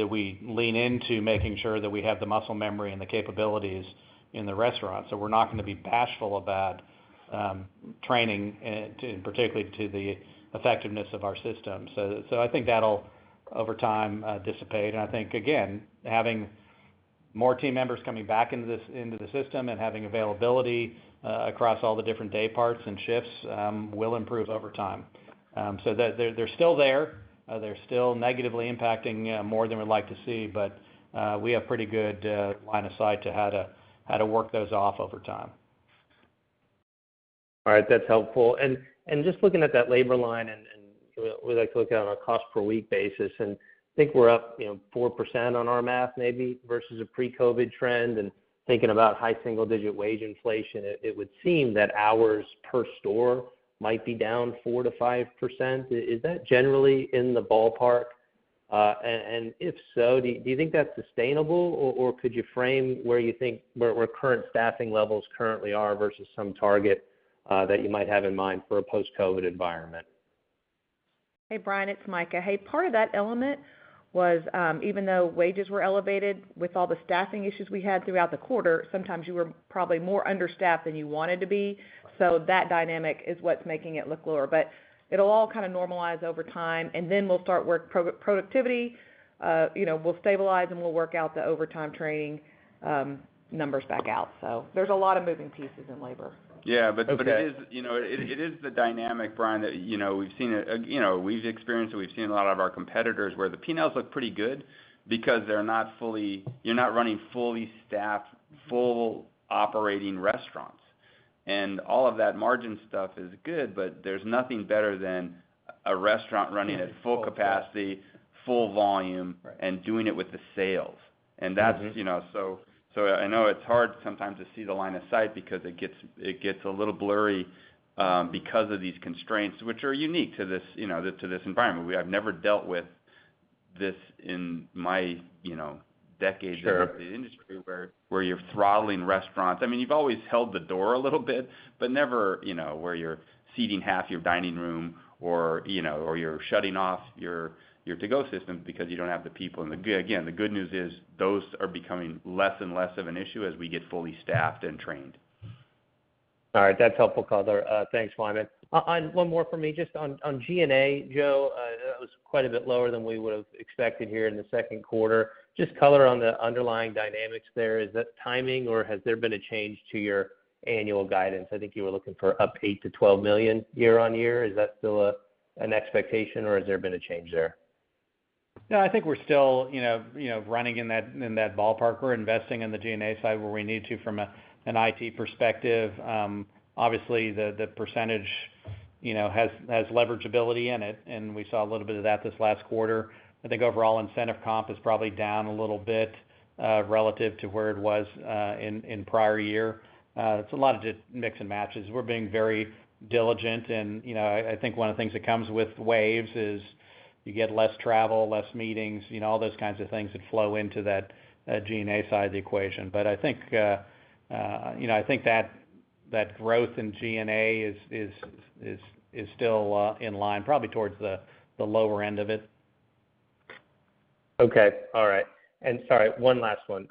we lean into making sure that we have the muscle memory and the capabilities in the restaurant. So we're not gonna be bashful about training to, particularly to the effectiveness of our system. I think that'll over time dissipate. I think, again, having more team members coming back into the system and having availability across all the different day parts and shifts will improve over time. They're still there. They're still negatively impacting more than we'd like to see, but we have pretty good line of sight to how to work those off over time. All right. That's helpful. Just looking at that labor line and we like to look at it on a cost per week basis, and I think we're up, you know, 4% on our math maybe versus a pre-COVID trend and thinking about high-single-digit wage inflation, it would seem that hours per store might be down 4%-5%. Is that generally in the ballpark? If so, do you think that's sustainable, or could you frame where you think current staffing levels currently are versus some target that you might have in mind for a post-COVID environment? Hey, Brian, it's Mika. Hey, part of that element was even though wages were elevated with all the staffing issues we had throughout the quarter, sometimes you were probably more understaffed than you wanted to be. That dynamic is what's making it look lower. It'll all kinda normalize over time, and then we'll start work pro-productivity. You know, we'll stabilize and we'll work out the overtime training numbers back out. There's a lot of moving pieces in labor. Okay. Yeah. It is, you know, the dynamic, Brian, that you know, we've seen it, you know, we've experienced it, we've seen a lot of our competitors where the P&Ls look pretty good because you're not running fully staffed, full operating restaurants. All of that margin stuff is good, but there's nothing better than a restaurant running at full capacity, full volume. Right... doing it with the sales. Mm-hmm. That's, you know, so I know it's hard sometimes to see the line of sight because it gets a little blurry because of these constraints, which are unique to this environment. We have never dealt with this in my, you know, decades. Sure In the industry where you're throttling restaurants. I mean, you've always held the door a little bit, but never, you know, where you're seating half your dining room or, you know, or you're shutting off your To Go system because you don't have the people. The good news is those are becoming less and less of an issue as we get fully staffed and trained. All right. That's helpful color. Thanks, Wyman. On one more for me, just on G&A, Joe. That was quite a bit lower than we would've expected here in the second quarter. Just color on the underlying dynamics there. Is that timing, or has there been a change to your annual guidance? I think you were looking for up $8 million-$12 million year-over-year. Is that still an expectation, or has there been a change there? No, I think we're still running in that ballpark. We're investing in the G&A side where we need to from an IT perspective. Obviously the percentage has leverageability in it, and we saw a little bit of that this last quarter. I think overall incentive comp is probably down a little bit relative to where it was in prior year. It's a lot of just mix and matches. We're being very diligent, and I think one of the things that comes with waves is you get less travel, less meetings, all those kinds of things that flow into that G&A side of the equation. I think, you know, I think that growth in G&A is still in line probably towards the lower end of it. Okay. All right. Sorry, one last one.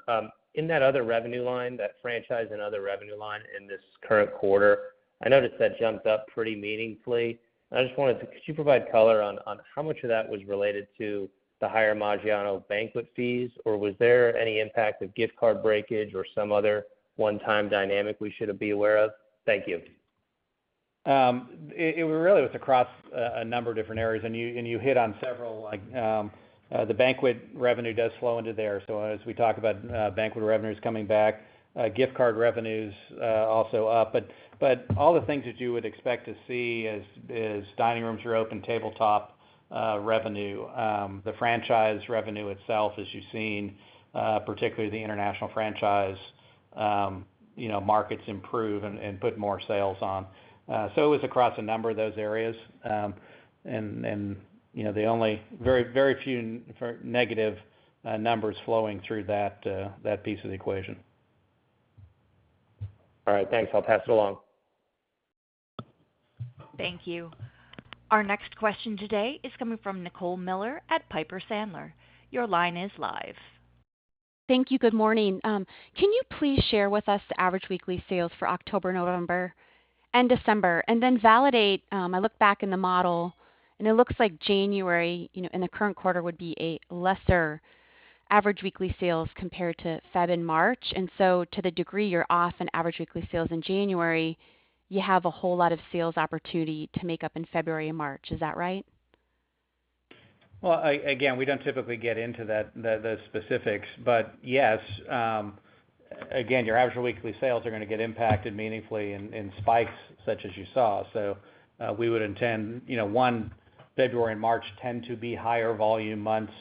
In that other revenue line, that franchise and other revenue line in this current quarter, I noticed that jumped up pretty meaningfully. I just wanted to, could you provide color on how much of that was related to the higher Maggiano's banquet fees? Or was there any impact of gift card breakage or some other one-time dynamic we should be aware of? Thank you. It really was across a number of different areas, and you hit on several, the banquet revenue does flow into there. As we talk about banquet revenues coming back, gift card revenues also up, but all the things that you would expect to see as dining rooms are open, tabletop revenue, the franchise revenue itself, as you've seen, particularly the international franchise, you know, markets improve and put more sales on. It was across a number of those areas. You know, the only very few negative numbers flowing through that piece of the equation. All right. Thanks. I'll pass it along. Thank you. Our next question today is coming from Nicole Miller at Piper Sandler. Your line is live. Thank you. Good morning. Can you please share with us the average weekly sales for October, November, and December? Validate, I look back in the model, and it looks like January, you know, in the current quarter, would be a lesser average weekly sales compared to February and March. To the degree you're off in average weekly sales in January, you have a whole lot of sales opportunity to make up in February and March. Is that right? Well, again, we don't typically get into that, the specifics, but yes. Again, your average weekly sales are gonna get impacted meaningfully in spikes such as you saw. February and March tend to be higher volume months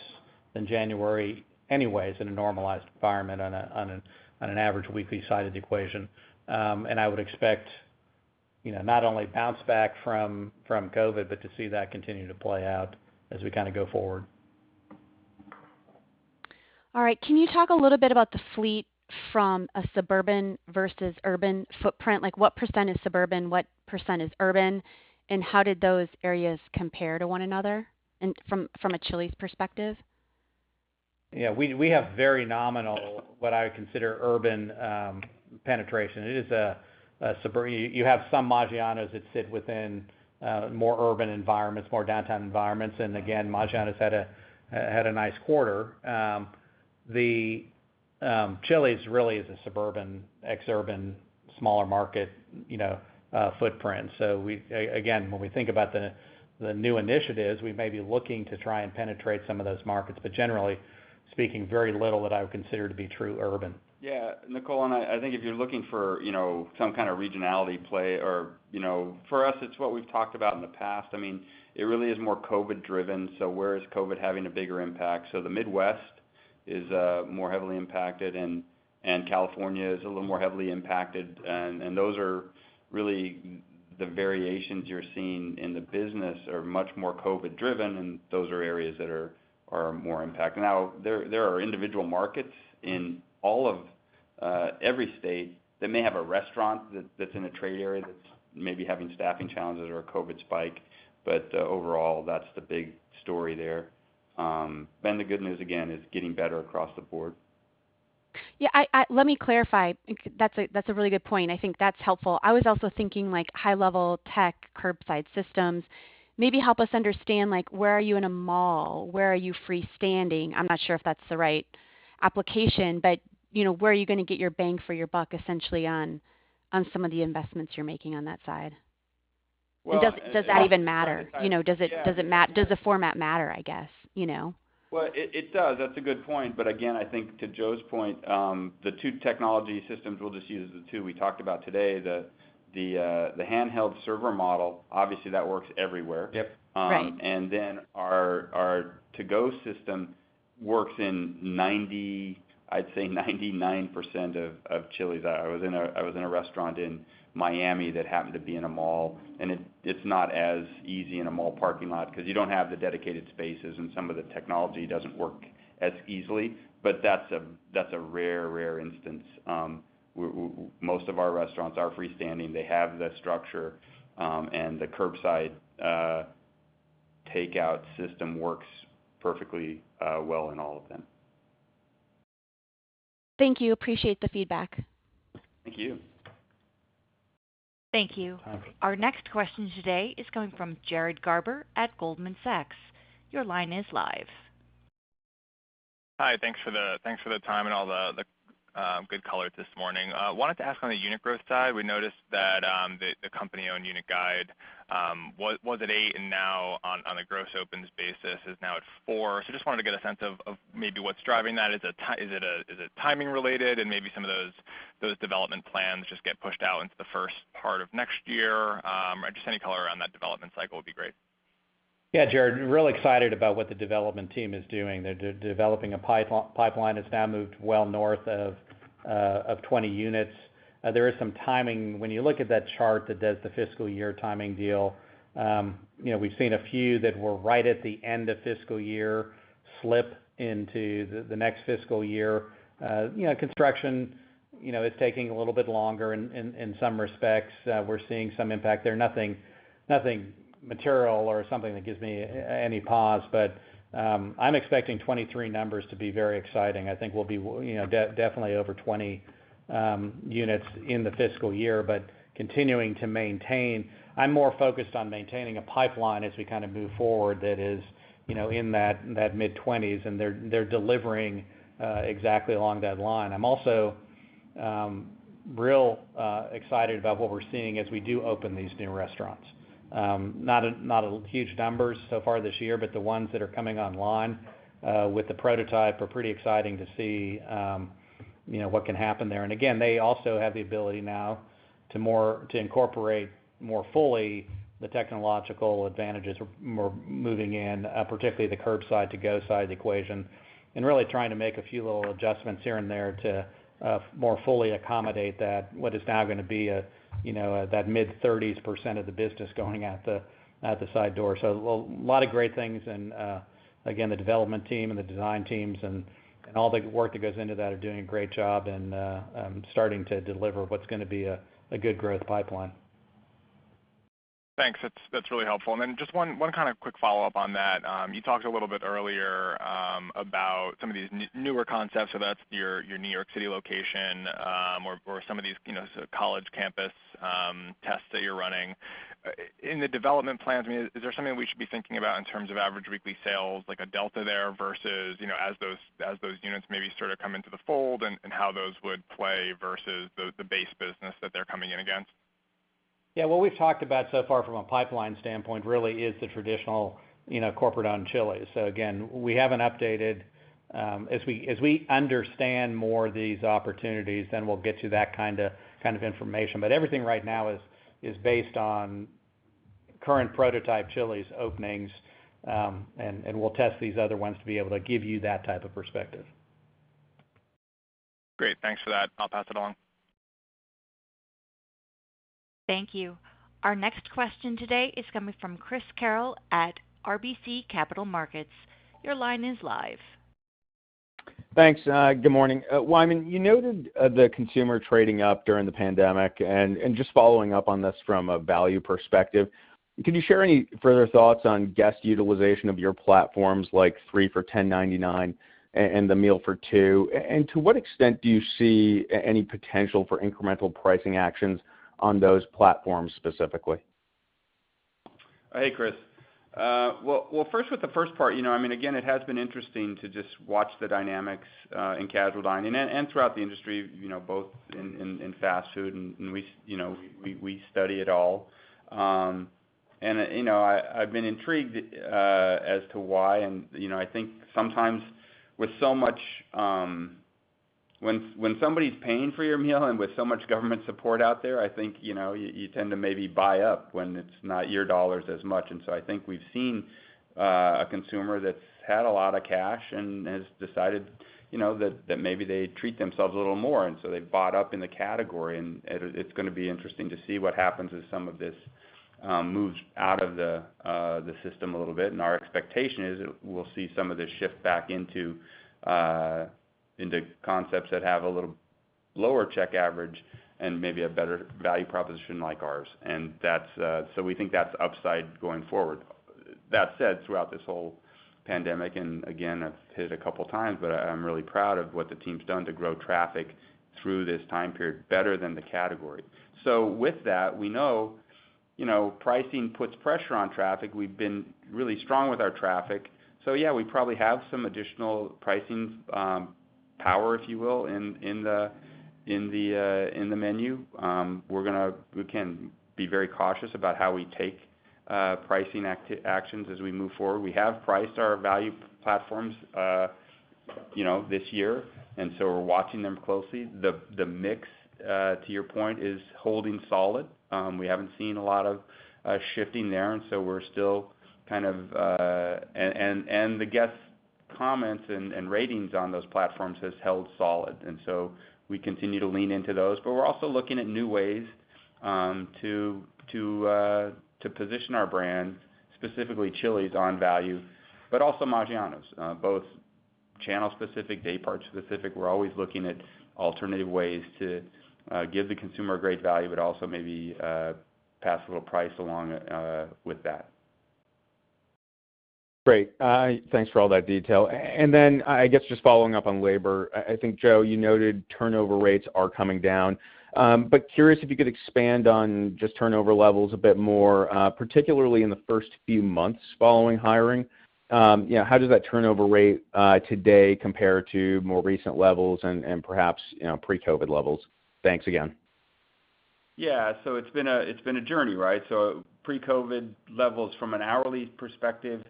than January anyways in a normalized environment on an average weekly side of the equation. I would expect, you know, not only bounce back from COVID, but to see that continue to play out as we kind of go forward. All right. Can you talk a little bit about the fleet from a suburban versus urban footprint? Like, what percent is suburban, what percent is urban, and how did those areas compare to one another and from a Chili's perspective? We have very nominal, what I would consider urban penetration. You have some Maggiano's that sit within more urban environments, more downtown environments, and again, Maggiano's had a nice quarter. The Chili's really is a suburban, exurban, smaller market, you know, footprint. We, again, when we think about the new initiatives, we may be looking to try and penetrate some of those markets, but generally speaking, very little that I would consider to be true urban. Yeah. Nicole, and I think if you're looking for, you know, some kind of regionality play or, you know, for us, it's what we've talked about in the past. I mean, it really is more COVID driven. Where is COVID having a bigger impact? The Midwest is more heavily impacted and California is a little more heavily impacted. Those are really the variations you're seeing in the business are much more COVID driven, and those are areas that are more impacted. Now, there are individual markets in all of every state that may have a restaurant that's in a trade area that's maybe having staffing challenges or a COVID spike. Overall, that's the big story there. The good news, again, is getting better across the board. Yeah. Let me clarify. That's a really good point. I think that's helpful. I was also thinking like high-level tech, Curbside systems. Maybe help us understand, like, where are you in a mall? Where are you freestanding? I'm not sure if that's the right application, but you know, where are you gonna get your bang for your buck, essentially, on some of the investments you're making on that side? Does that even matter? You know, does the format matter, I guess, you know? Well, it does. That's a good point. Again, I think to Joe's point, the two technology systems, we'll just use the two we talked about today, the handheld server model, obviously, that works everywhere. Yep. Right. Our To Go system works in 99% of Chili's. I was in a restaurant in Miami that happened to be in a mall, and it's not as easy in a mall parking lot because you don't have the dedicated spaces, and some of the technology doesn't work as easily. That's a rare instance. Most of our restaurants are freestanding. They have the structure, and the Curbside takeout system works perfectly well in all of them. Thank you. Appreciate the feedback. Thank you. Thank you. Our next question today is coming from Jared Garber at Goldman Sachs. Your line is live. Hi. Thanks for the time and all the good color this morning. Wanted to ask on the unit growth side. We noticed that the company-owned unit guide was at eight and now on a gross opens basis is at four. Just wanted to get a sense of maybe what's driving that. Is it timing related and maybe some of those development plans just get pushed out into the first part of next year? Just any color around that development cycle would be great. Yeah, Jared, real excited about what the development team is doing. They're developing a pipeline that's now moved well north of 20 units. There is some timing. When you look at that chart that does the fiscal year timing detail, you know, we've seen a few that were right at the end of fiscal year slip into the next fiscal year. You know, construction, you know, is taking a little bit longer in some respects. We're seeing some impact there, nothing material or something that gives me any pause. I'm expecting 2023 numbers to be very exciting. I think we'll be, you know, definitely over 20 units in the fiscal year, but continuing to maintain. I'm more focused on maintaining a pipeline as we kind of move forward that is, you know, in that mid-20s, and they're delivering exactly along that line. I'm also real excited about what we're seeing as we do open these new restaurants. Not huge numbers so far this year, but the ones that are coming online with the prototype are pretty exciting to see, you know, what can happen there. They also have the ability now to incorporate more fully the technological advantages we're moving in, particularly the Curbside To Go side of the equation, and really trying to make a few little adjustments here and there to more fully accommodate that, what is now gonna be a that mid-30s% of the business going out the side door. A lot of great things. The development team and the design teams and all the work that goes into that are doing a great job and starting to deliver what's gonna be a good growth pipeline. Thanks. That's really helpful. Just one kind of quick follow-up on that. You talked a little bit earlier about some of these newer concepts, so that's your New York City location, or some of these, you know, college campus tests that you're running. In the development plans, I mean, is there something we should be thinking about in terms of average weekly sales, like a delta there versus, you know, as those units maybe sort of come into the fold and how those would play versus the base business that they're coming in against? Yeah, what we've talked about so far from a pipeline standpoint really is the traditional, you know, corporate-owned Chili's. Again, we haven't updated. As we understand more these opportunities, then we'll get to that kind of information. Everything right now is based on current prototype Chili's openings, and we'll test these other ones to be able to give you that type of perspective. Great. Thanks for that. I'll pass it along. Thank you. Our next question today is coming from Chris Carril at RBC Capital Markets. Your line is live. Thanks. Good morning. Wyman, you noted the consumer trading up during the pandemic. Just following up on this from a value perspective, can you share any further thoughts on guest utilization of your platforms like 3 for $10.99 and the meal for two? To what extent do you see any potential for incremental pricing actions on those platforms specifically? Hey, Chris. Well, first with the first part, you know, I mean, again, it has been interesting to just watch the dynamics in casual dining and throughout the industry, you know, both in fast food, and we study it all. I've been intrigued as to why. I think sometimes with so much, when somebody's paying for your meal and with so much government support out there, I think, you know, you tend to maybe buy up when it's not your dollars as much. I think we've seen a consumer that's had a lot of cash and has decided, you know, that maybe they treat themselves a little more, and so they bought up in the category. It's gonna be interesting to see what happens as some of this moves out of the system a little bit. Our expectation is we'll see some of this shift back into concepts that have a little lower check average and maybe a better value proposition like ours. That's so we think that's upside going forward. That said, throughout this whole pandemic, and again, I've hit a couple of times, but I'm really proud of what the team's done to grow traffic through this time period better than the category. With that, we know, you know, pricing puts pressure on traffic. We've been really strong with our traffic. Yeah, we probably have some additional pricing power, if you will, in the menu. We can be very cautious about how we take pricing actions as we move forward. We have priced our value platforms you know this year and we're watching them closely. The mix to your point is holding solid. We haven't seen a lot of shifting there and we're still kind of the guest comments and ratings on those platforms has held solid. We continue to lean into those. We're also looking at new ways to position our brand specifically Chili's on value but also Maggiano's. Both channel-specific, day-part-specific. We're always looking at alternative ways to give the consumer great value but also maybe pass a little price along with that. Great. Thanks for all that detail. I guess just following up on labor, I think, Joe, you noted turnover rates are coming down. But I'm curious if you could expand on just turnover levels a bit more, particularly in the first few months following hiring. You know, how does that turnover rate today compare to more recent levels and perhaps, you know, pre-COVID levels? Thanks again. Yeah, it's been a journey, right? Pre-COVID levels from an hourly perspective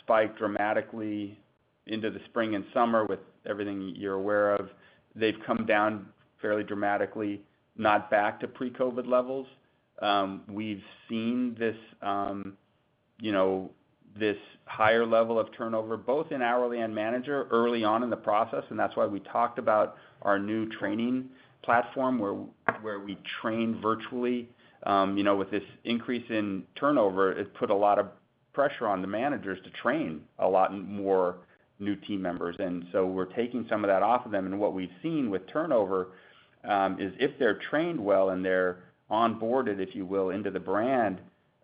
spiked dramatically into the spring and summer with everything you're aware of. They've come down fairly dramatically, not back to pre-COVID levels. We've seen this, you know, this higher level of turnover, both in hourly and manager early on in the process, and that's why we talked about our new training platform where we train virtually. You know, with this increase in turnover, it put a lot of pressure on the managers to train a lot more new team members. We're taking some of that off of them. What we've seen with turnover is if they're trained well and they're onboarded, if you will, into the brand,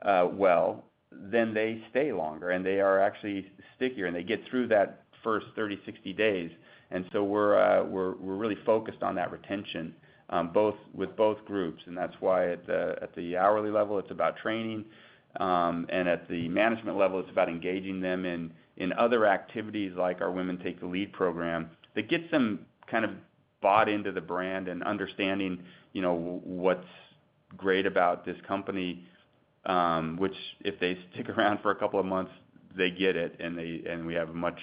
well, then they stay longer and they are actually stickier, and they get through that first 30, 60 days. We're really focused on that retention with both groups. That's why at the hourly level, it's about training. At the management level, it's about engaging them in other activities like our Women Take the Lead program that gets them kind of bought into the brand and understanding, you know, what's great about this company, which if they stick around for a couple of months, they get it, and we have a much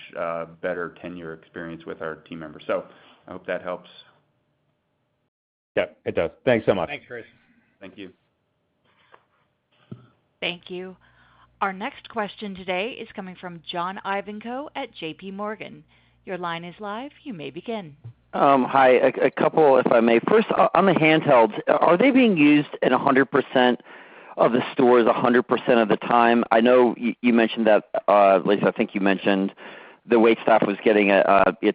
better tenure experience with our team members. I hope that helps. Yep, it does. Thanks so much. Thanks, Chris. Thank you. Thank you. Our next question today is coming from John Ivankoe at JPMorgan. Your line is live. You may begin. Hi. A couple if I may. First, on the handhelds, are they being used at 100% of the stores 100% of the time? I know you mentioned that, at least I think you mentioned the wait staff was getting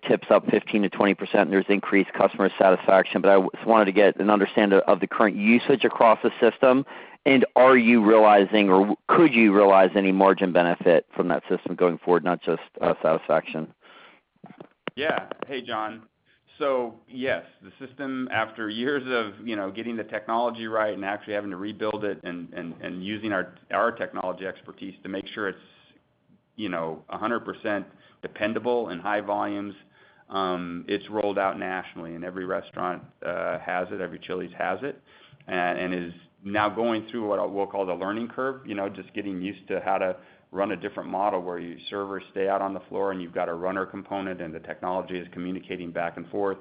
tips up 15%-20%, and there's increased customer satisfaction. I just wanted to get an understanding of the current usage across the system, and are you realizing or could you realize any margin benefit from that system going forward, not just satisfaction? Yeah. Hey, John. Yes, the system, after years of, you know, getting the technology right and actually having to rebuild it and using our technology expertise to make sure it's, you know, 100% dependable and high volumes, it's rolled out nationally and every restaurant has it, every Chili's has it, and is now going through what I will call the learning curve. You know, just getting used to how to run a different model where your servers stay out on the floor and you've got a runner component, and the technology is communicating back and forth.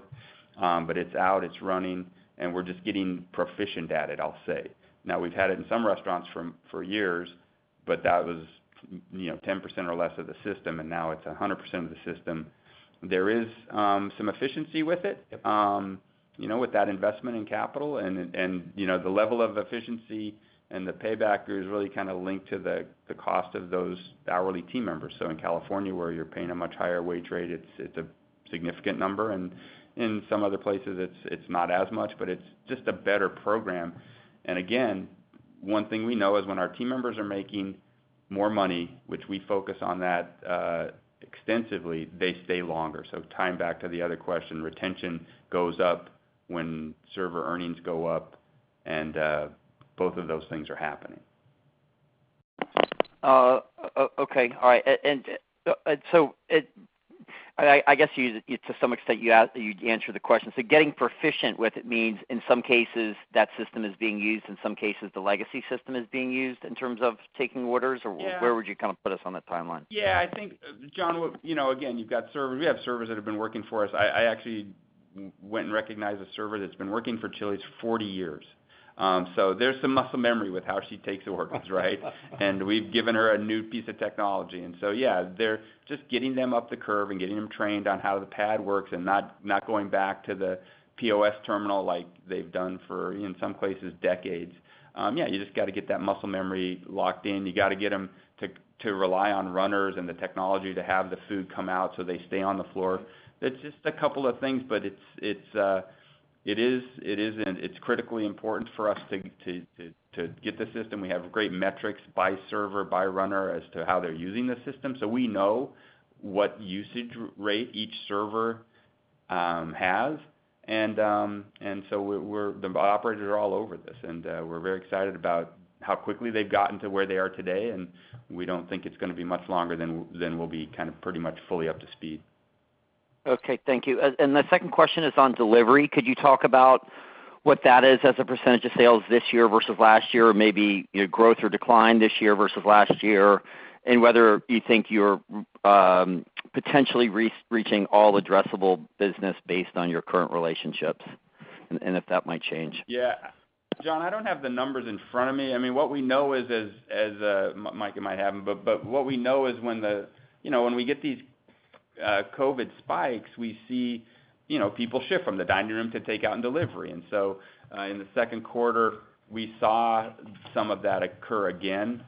It's out, it's running, and we're just getting proficient at it, I'll say. Now, we've had it in some restaurants for years, but that was, you know, 10% or less of the system, and now it's 100% of the system. There is some efficiency with it. You know, with that investment in capital and you know, the level of efficiency and the payback is really kind of linked to the cost of those hourly team members. In California, where you're paying a much higher wage rate, it's a significant number. In some other places, it's not as much, but it's just a better program. Again, one thing we know is when our team members are making more money, which we focus on that extensively, they stay longer. Tying back to the other question, retention goes up when server earnings go up, and both of those things are happening. I guess you, to some extent, answered the question. Getting proficient with it means, in some cases, that system is being used, in some cases, the legacy system is being used in terms of taking orders? Yeah. Where would you kind of put us on the timeline? Yeah, I think, John, you know, again, you've got servers, we have servers that have been working for us. I actually went and recognized a server that's been working for Chili's 40 years. So there's some muscle memory with how she takes orders, right? We've given her a new piece of technology. Yeah, they're just getting them up the curve and getting them trained on how the pad works and not going back to the POS terminal like they've done for, in some places, decades. Yeah, you just got to get that muscle memory locked in. You got to get them to rely on runners and the technology to have the food come out so they stay on the floor. That's just a couple of things, but it is critically important for us to get the system. We have great metrics by server, by runner as to how they're using the system. So we know what usage rate each server has. The operators are all over this, and we're very excited about how quickly they've gotten to where they are today. We don't think it's gonna be much longer than it will be kind of pretty much fully up to speed. Okay. Thank you. The second question is on delivery. Could you talk about what that is as a percentage of sales this year versus last year, or maybe your growth or decline this year versus last year, and whether you think you're potentially re-reaching all addressable business based on your current relationships, and if that might change? Yeah. John, I don't have the numbers in front of me. I mean, what we know is, as Mike might have them, but what we know is when the, you know, when we get these COVID spikes, we see, you know, people shift from the dining room to takeout and delivery. In the second quarter, we saw some of that occur again.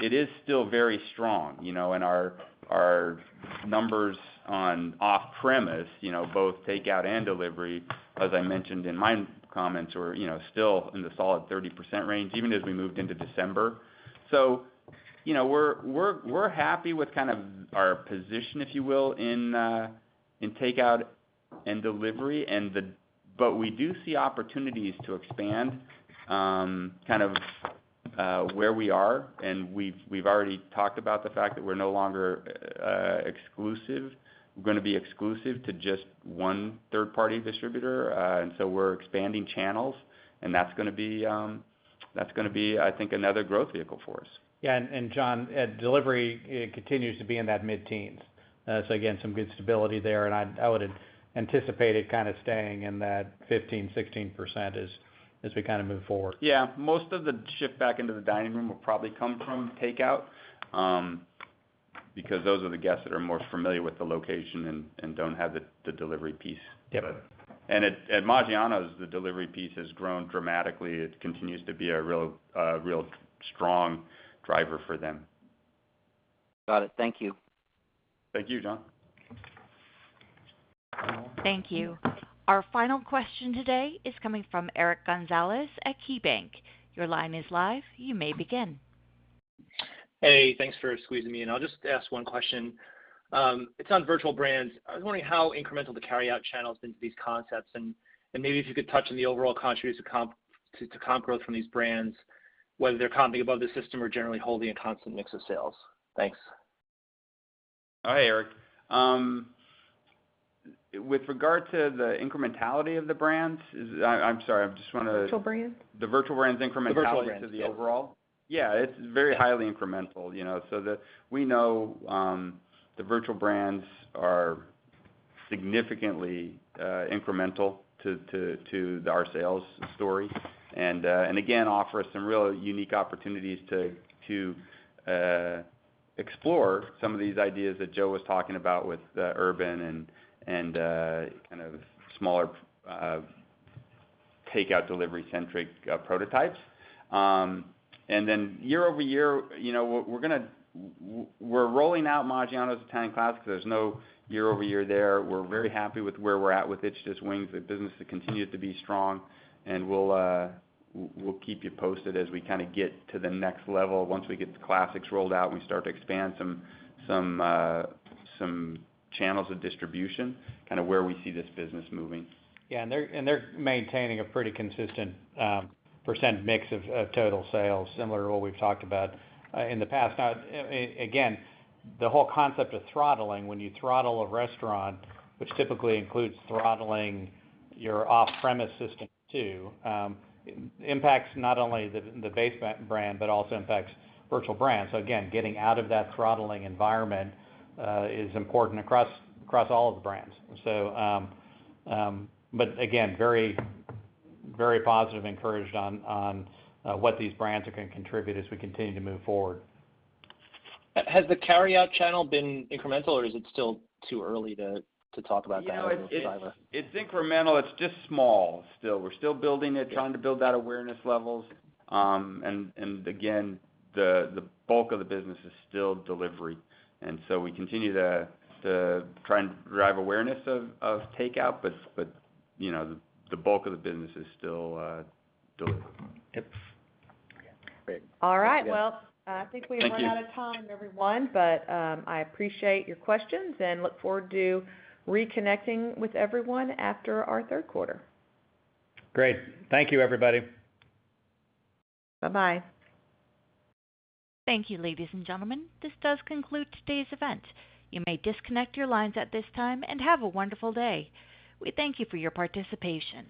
It is still very strong, you know, and our numbers on off-premise, you know, both takeout and delivery, as I mentioned in my comments were, you know, still in the solid 30% range, even as we moved into December. You know, we're happy with kind of our position, if you will, in takeout and delivery, but we do see opportunities to expand kind of where we are. We've already talked about the fact that we're no longer gonna be exclusive to just one third-party distributor. We're expanding channels, and that's gonna be, I think, another growth vehicle for us. John, delivery, it continues to be in that mid-teens. So again, some good stability there, and I would anticipate it kind of staying in that 15-16% as we kind of move forward. Yeah. Most of the shift back into the dining room will probably come from takeout, because those are the guests that are more familiar with the location and don't have the delivery piece. Yep. At Maggiano's, the delivery piece has grown dramatically. It continues to be a real strong driver for them. Got it. Thank you. Thank you, John. Thank you. Our final question today is coming from Eric Gonzalez at KeyBanc Capital Markets. Your line is live. You may begin. Hey, thanks for squeezing me in. I'll just ask one question. It's on virtual brands. I was wondering how incremental the carryout channel has been to these concepts. Maybe if you could touch on the overall contribution to comp growth from these brands, whether they're comping above the system or generally holding a constant mix of sales. Thanks. Oh, hey, Eric. With regard to the incrementality of the brands, I'm sorry, I just wanna- Virtual brands? The virtual brands incrementality to the overall? The virtual brands, yes. Yeah, it's very highly incremental, you know. We know the virtual brands are significantly incremental to our sales story, and again, offer some real unique opportunities to explore some of these ideas that Joe was talking about with urban and kind of smaller takeout-delivery-centric prototypes. Year-over-year, you know, we're rolling out Maggiano's Italian Classics. There's no year-over-year there. We're very happy with where we're at with It's Just Wings. The business has continued to be strong, and we'll keep you posted as we kinda get to the next level. Once we get the Classics rolled out and we start to expand some channels of distribution, kinda where we see this business moving. Yeah. They're maintaining a pretty consistent percent mix of total sales, similar to what we've talked about in the past. Now, again, the whole concept of throttling, when you throttle a restaurant, which typically includes throttling your off-premise system too, impacts not only the base brand, but also impacts virtual brands. Again, getting out of that throttling environment is important across all of the brands. But again, very positive, encouraged on what these brands are gonna contribute as we continue to move forward. Has the carryout channel been incremental, or is it still too early to talk about that as a driver? You know, it's incremental. It's just small still. We're still building it, trying to build that awareness levels. And again, the bulk of the business is still delivery, and so we continue to try and drive awareness of takeout. You know, the bulk of the business is still delivery. Yep. Great. All right. Well, I think we have run out of time, everyone. I appreciate your questions and look forward to reconnecting with everyone after our third quarter. Great. Thank you, everybody. Bye-bye. Thank you, ladies and gentlemen. This does conclude today's event. You may disconnect your lines at this time, and have a wonderful day. We thank you for your participation.